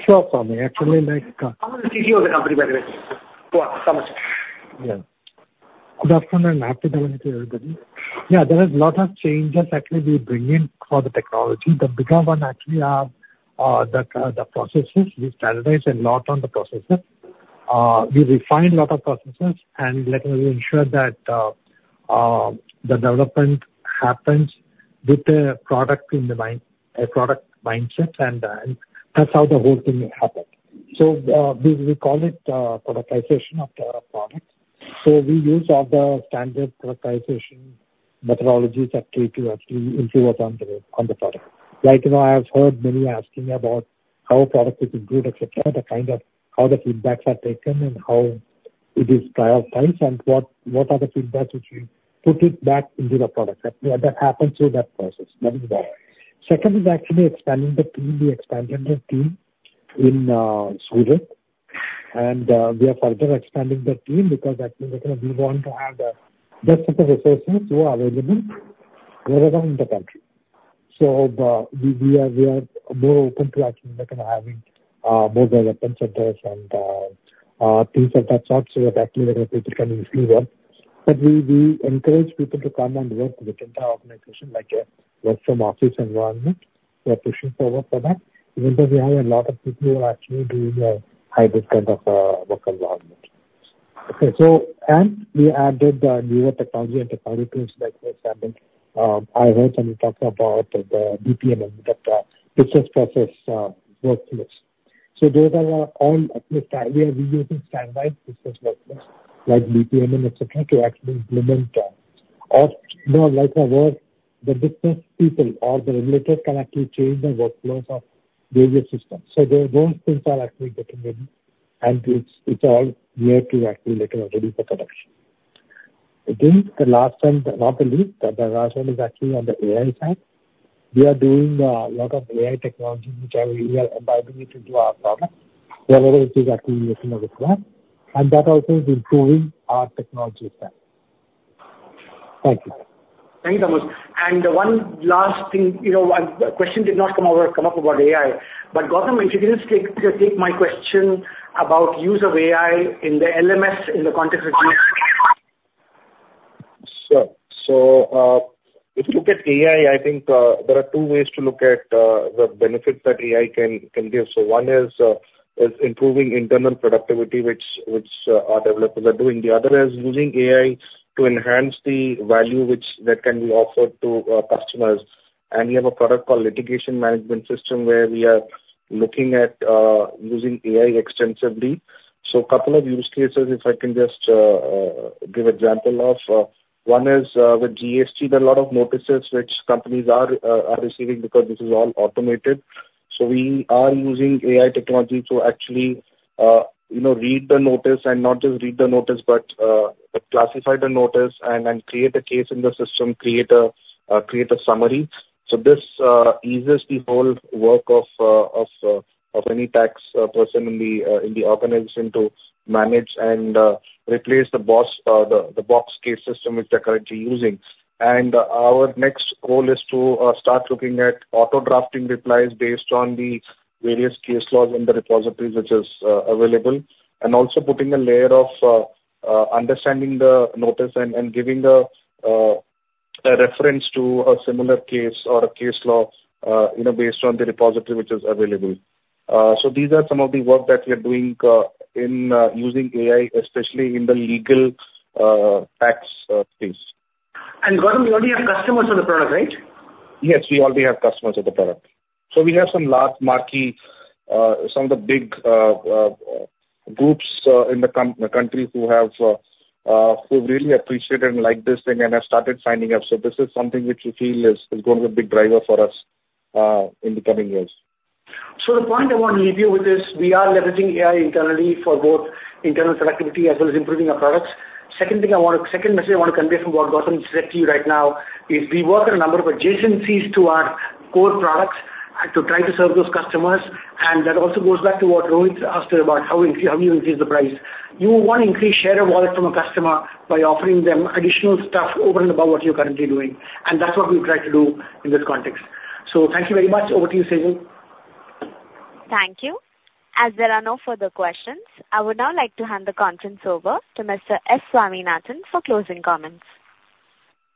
Sure, Sonny. Actually, my. I'm the CTO of the company, by the way. Thomas. Yeah. Good afternoon, and happy Diwali to everybody. Yeah, there are a lot of changes actually we bring in for the technology. The bigger one actually are the processes. We standardize a lot on the processes. We refine a lot of processes and let us ensure that the development happens with the product in the mindset and that's how the whole thing happens. So we call it productization of the product. So we use all the standard productization methodologies actually to actually improve upon the product. Like I've heard many asking about how product is improved, etc., the kind of how the feedbacks are taken and how it is prioritized and what are the feedbacks which we put it back into the product. That happens through that process. That is one. Second is actually expanding the team. We expanded the team in Sweden, and we are further expanding the team because actually we want to have the best of the resources who are available wherever in the country, so we are more open to actually having more development centers and things of that sort so that actually people can receive work. But we encourage people to come and work within the organization like a work-from-office environment. We are pushing forward for that, even though we have a lot of people who are actually doing a hybrid kind of work environment, and we added newer technology and technology tools like I heard someone talk about the BPMN, that business process workflows, so those are all at least we are using standardized business workflows like BPMN, etc., to actually implement like the work the business people or the regulator can actually change the workflows of various systems. So those things are actually getting ready, and it's all here to actually ready for production. I think the last one, not the least, but the last one is actually on the AI side. We are doing a lot of AI technologies which are really embedding it into our product, wherever it is actually looking at it from. And that also is improving our technology stack. Thank you. Thank you, Thomas. And one last thing. A question did not come up about AI, but Gautam, if you can just take my question about use of AI in the LMS in the context of GST. Sure, so if you look at AI, I think there are two ways to look at the benefits that AI can give, so one is improving internal productivity, which our developers are doing. The other is using AI to enhance the value that can be offered to customers, and we have a product called Litigation Management System, where we are looking at using AI extensively, so a couple of use cases, if I can just give an example of. One is with GST. There are a lot of notices which companies are receiving because this is all automated, so we are using AI technology to actually read the notice and not just read the notice, but classify the notice and create a case in the system, create a summary. So this eases the whole work of any tax person in the organization to manage and replace the box case system which they're currently using. And our next goal is to start looking at auto-drafting replies based on the various case laws in the repositories which are available, and also putting a layer of understanding the notice and giving a reference to a similar case or a case law based on the repository which is available. So these are some of the work that we are doing using AI, especially in the legal tax space. Gautam, you already have customers for the product, right? Yes, we already have customers of the product. So we have some large marquee, some of the big groups in the country who have really appreciated and liked this thing and have started signing up. So this is something which we feel is going to be a big driver for us in the coming years. So the point I want to leave you with is we are leveraging AI internally for both internal productivity as well as improving our products. Second thing I want to second message I want to convey from what Gautam said to you right now is we work on a number of adjacencies to our core products to try to serve those customers. And that also goes back to what Rohit asked about how you increase the price. You want to increase share of wallet from a customer by offering them additional stuff over and above what you're currently doing. And that's what we've tried to do in this context. So thank you very much. Over to you, Sejal. Thank you. As there are no further questions, I would now like to hand the conference over to Mr. S. Swaminathan for closing comments.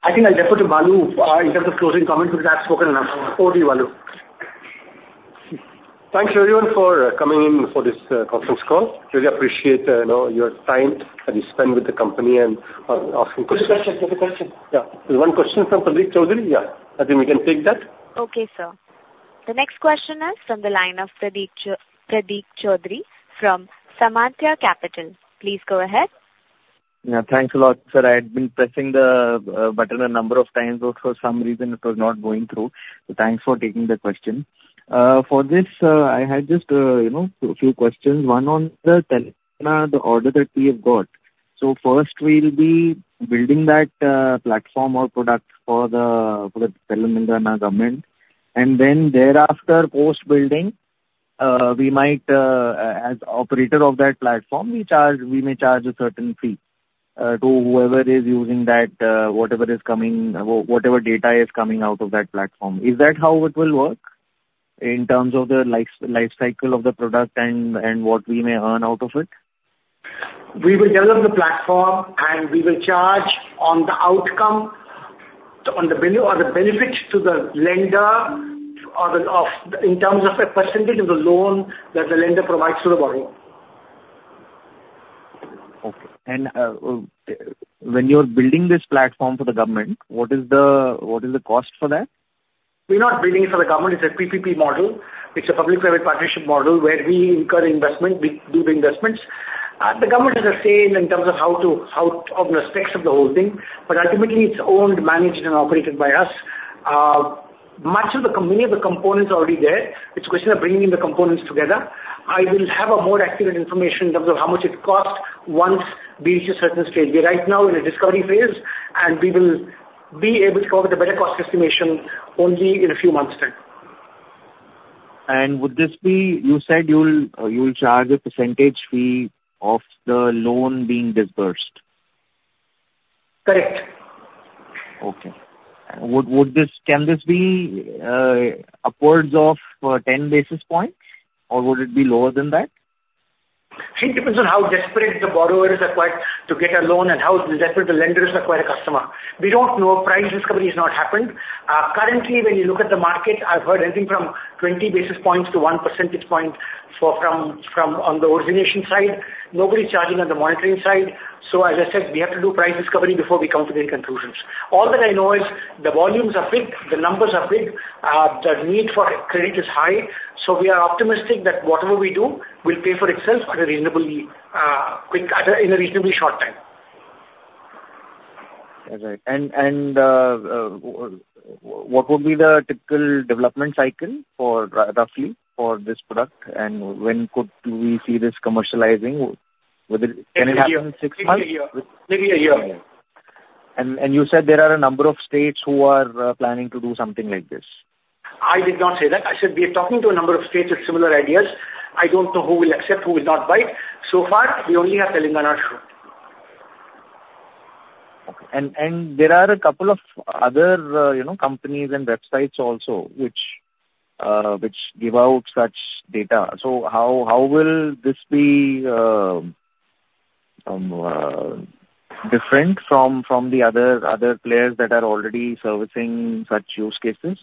I think I'll defer to Balu in terms of closing comments because I've spoken enough. Over to you, Balu. Thanks, everyone, for coming in for this conference call. Really appreciate your time that you spend with the company and asking questions. Good question. Good question. Yeah. There's one question from Pradeep Choudhury. Yeah. I think we can take that. Okay, sir. The next question is from the line of Pradeep Choudhury from Samarthya Capital. Please go ahead. Yeah. Thanks a lot, sir. I had been pressing the button a number of times, but for some reason, it was not going through. So thanks for taking the question. For this, I had just a few questions. One on the Telangana order that we have got. So first, we'll be building that platform or product for the Telangana government. And then thereafter, post-building, we might, as operator of that platform, we may charge a certain fee to whoever is using that, whatever is coming, whatever data is coming out of that platform. Is that how it will work in terms of the lifecycle of the product and what we may earn out of it? We will develop the platform, and we will charge on the outcome, on the benefits to the lender in terms of a percentage of the loan that the lender provides to the borrower. Okay, and when you're building this platform for the government, what is the cost for that? We're not building it for the government. It's a PPP model. It's a public-private partnership model where we incur investment. We do the investments. The government has a say in terms of how to on the specs of the whole thing. But ultimately, it's owned, managed, and operated by us. Many of the components are already there. It's a question of bringing the components together. I will have a more accurate information in terms of how much it costs once we reach a certain stage. We're right now in a discovery phase, and we will be able to come up with a better cost estimation only in a few months' time. Would this be you said you'll charge a percentage fee of the loan being disbursed? Correct. Okay. Can this be upwards of 10 basis points, or would it be lower than that? It depends on how desperate the borrowers are to get a loan and how desperate the lenders are to acquire a customer. We don't know. Price discovery has not happened. Currently, when you look at the market, I've heard anything from 20 basis points to 1 percentage point from on the origination side. Nobody's charging on the monitoring side. So as I said, we have to do price discovery before we come to the conclusions. All that I know is the volumes are big. The numbers are big. The need for credit is high. So we are optimistic that whatever we do will pay for itself in a reasonably short time. That's right. And what would be the typical development cycle, roughly, for this product? And when could we see this commercializing? Can it happen in six months? Maybe a year. You said there are a number of states who are planning to do something like this. I did not say that. I said we are talking to a number of states with similar ideas. I don't know who will accept, who will not bite. So far, we only have Telangana shown. Okay. And there are a couple of other companies and websites also which give out such data. So how will this be different from the other players that are already servicing such use cases?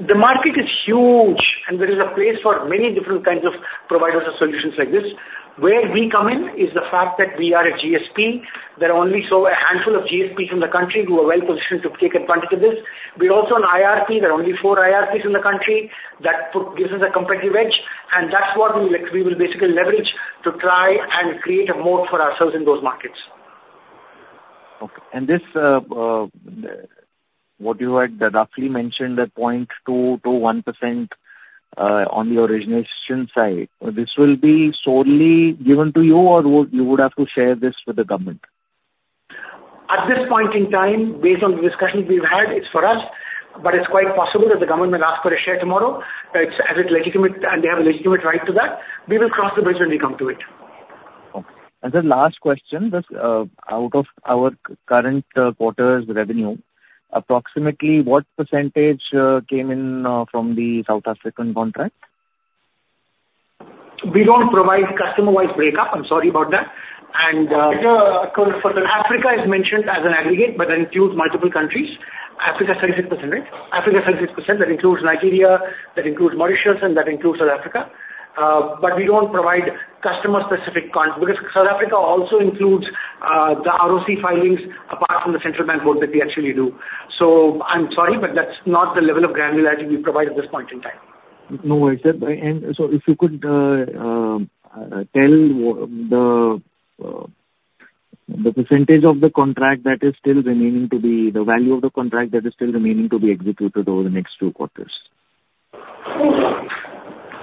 The market is huge, and there is a place for many different kinds of providers of solutions like this. Where we come in is the fact that we are a GSP. There are only a handful of GSPs in the country who are well-positioned to take advantage of this. We're also an IRP. There are only four IRPs in the country that gives us a competitive edge. And that's what we will basically leverage to try and create a moat for ourselves in those markets. Okay. And what you had roughly mentioned, the 0.2%-1% on the origination side, this will be solely given to you, or you would have to share this with the government? At this point in time, based on the discussions we've had, it's for us. But it's quite possible that the government will ask for a share tomorrow as it's legitimate, and they have a legitimate right to that. We will cross the bridge when we come to it. Okay. As a last question, out of our current quarter's revenue, approximately what percentage came in from the South African contract? We don't provide customer-wise breakup. I'm sorry about that. And Africa is mentioned as an aggregate, but that includes multiple countries. Africa is 36%, right? Africa is 36%. That includes Nigeria. That includes Mauritius, and that includes South Africa. But we don't provide customer-specific because South Africa also includes the ROC filings apart from the central bank work that we actually do. So I'm sorry, but that's not the level of granularity we provide at this point in time. No worries. And so if you could tell the percentage of the contract that is still remaining to be the value of the contract that is still remaining to be executed over the next two quarters?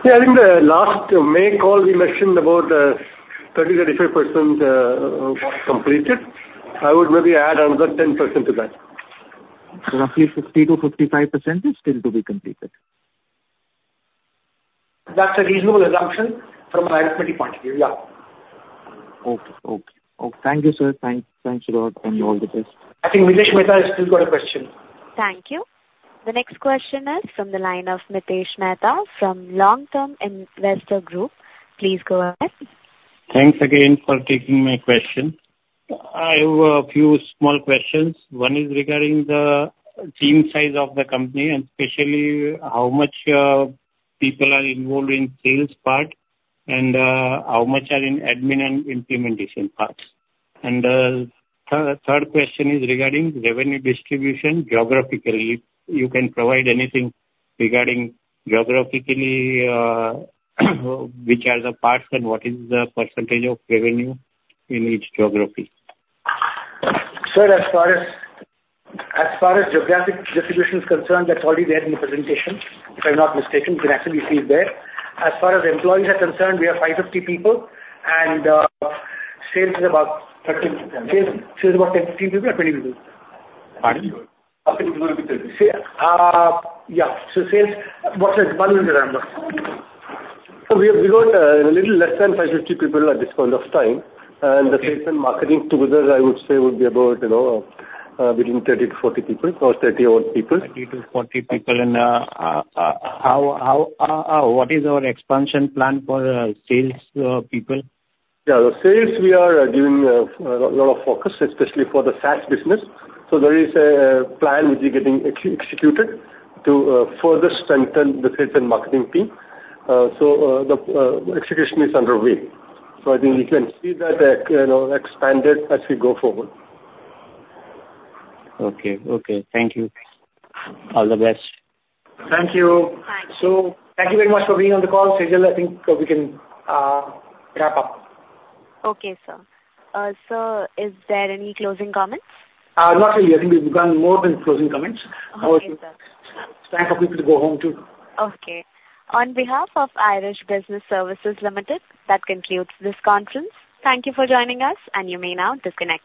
Yeah. I think the last May call, we mentioned about 30%-35% completed. I would maybe add another 10% to that. Roughly 50%-55% is still to be completed. That's a reasonable assumption from an IRP point of view. Yeah. Okay. Thank you, sir. Thanks, Gautam, and all the best. I think Mitesh Mehta has still got a question. Thank you. The next question is from the line of Mitesh Mehta from Long Term Investor Group. Please go ahead. Thanks again for taking my question. I have a few small questions. One is regarding the team size of the company, and especially how much people are involved in sales part and how much are in admin and implementation parts. And the third question is regarding revenue distribution geographically. You can provide anything regarding geographically which are the parts and what is the percentage of revenue in each geography. Sir, as far as geographic distribution is concerned, that's already there in the presentation. If I'm not mistaken, you can actually see it there. As far as employees are concerned, we are 550 people, and sales is about 13. Sales is about 10 people or 20 people? Pardon? Yeah. So sales, what is Balu's number? So we got a little less than 550 people at this point of time. And the sales and marketing together, I would say, would be about between 30 to 40 people or 30-odd people. 30 to 40 people. And what is our expansion plan for sales people? Yeah. The sales, we are giving a lot of focus, especially for the SaaS business, so there is a plan which is getting executed to further strengthen the sales and marketing team, so the execution is underway, so I think you can see that expanded as we go forward. Okay. Okay. Thank you. All the best. Thank you. Thanks. Thank you very much for being on the call, Seijal. I think we can wrap up. Okay, sir. Also, is there any closing comments? Not really. I think we've done more than closing comments. Okay, sir. It's time for people to go home too. Okay. On behalf of IRIS Business Services Limited, that concludes this conference. Thank you for joining us, and you may now disconnect.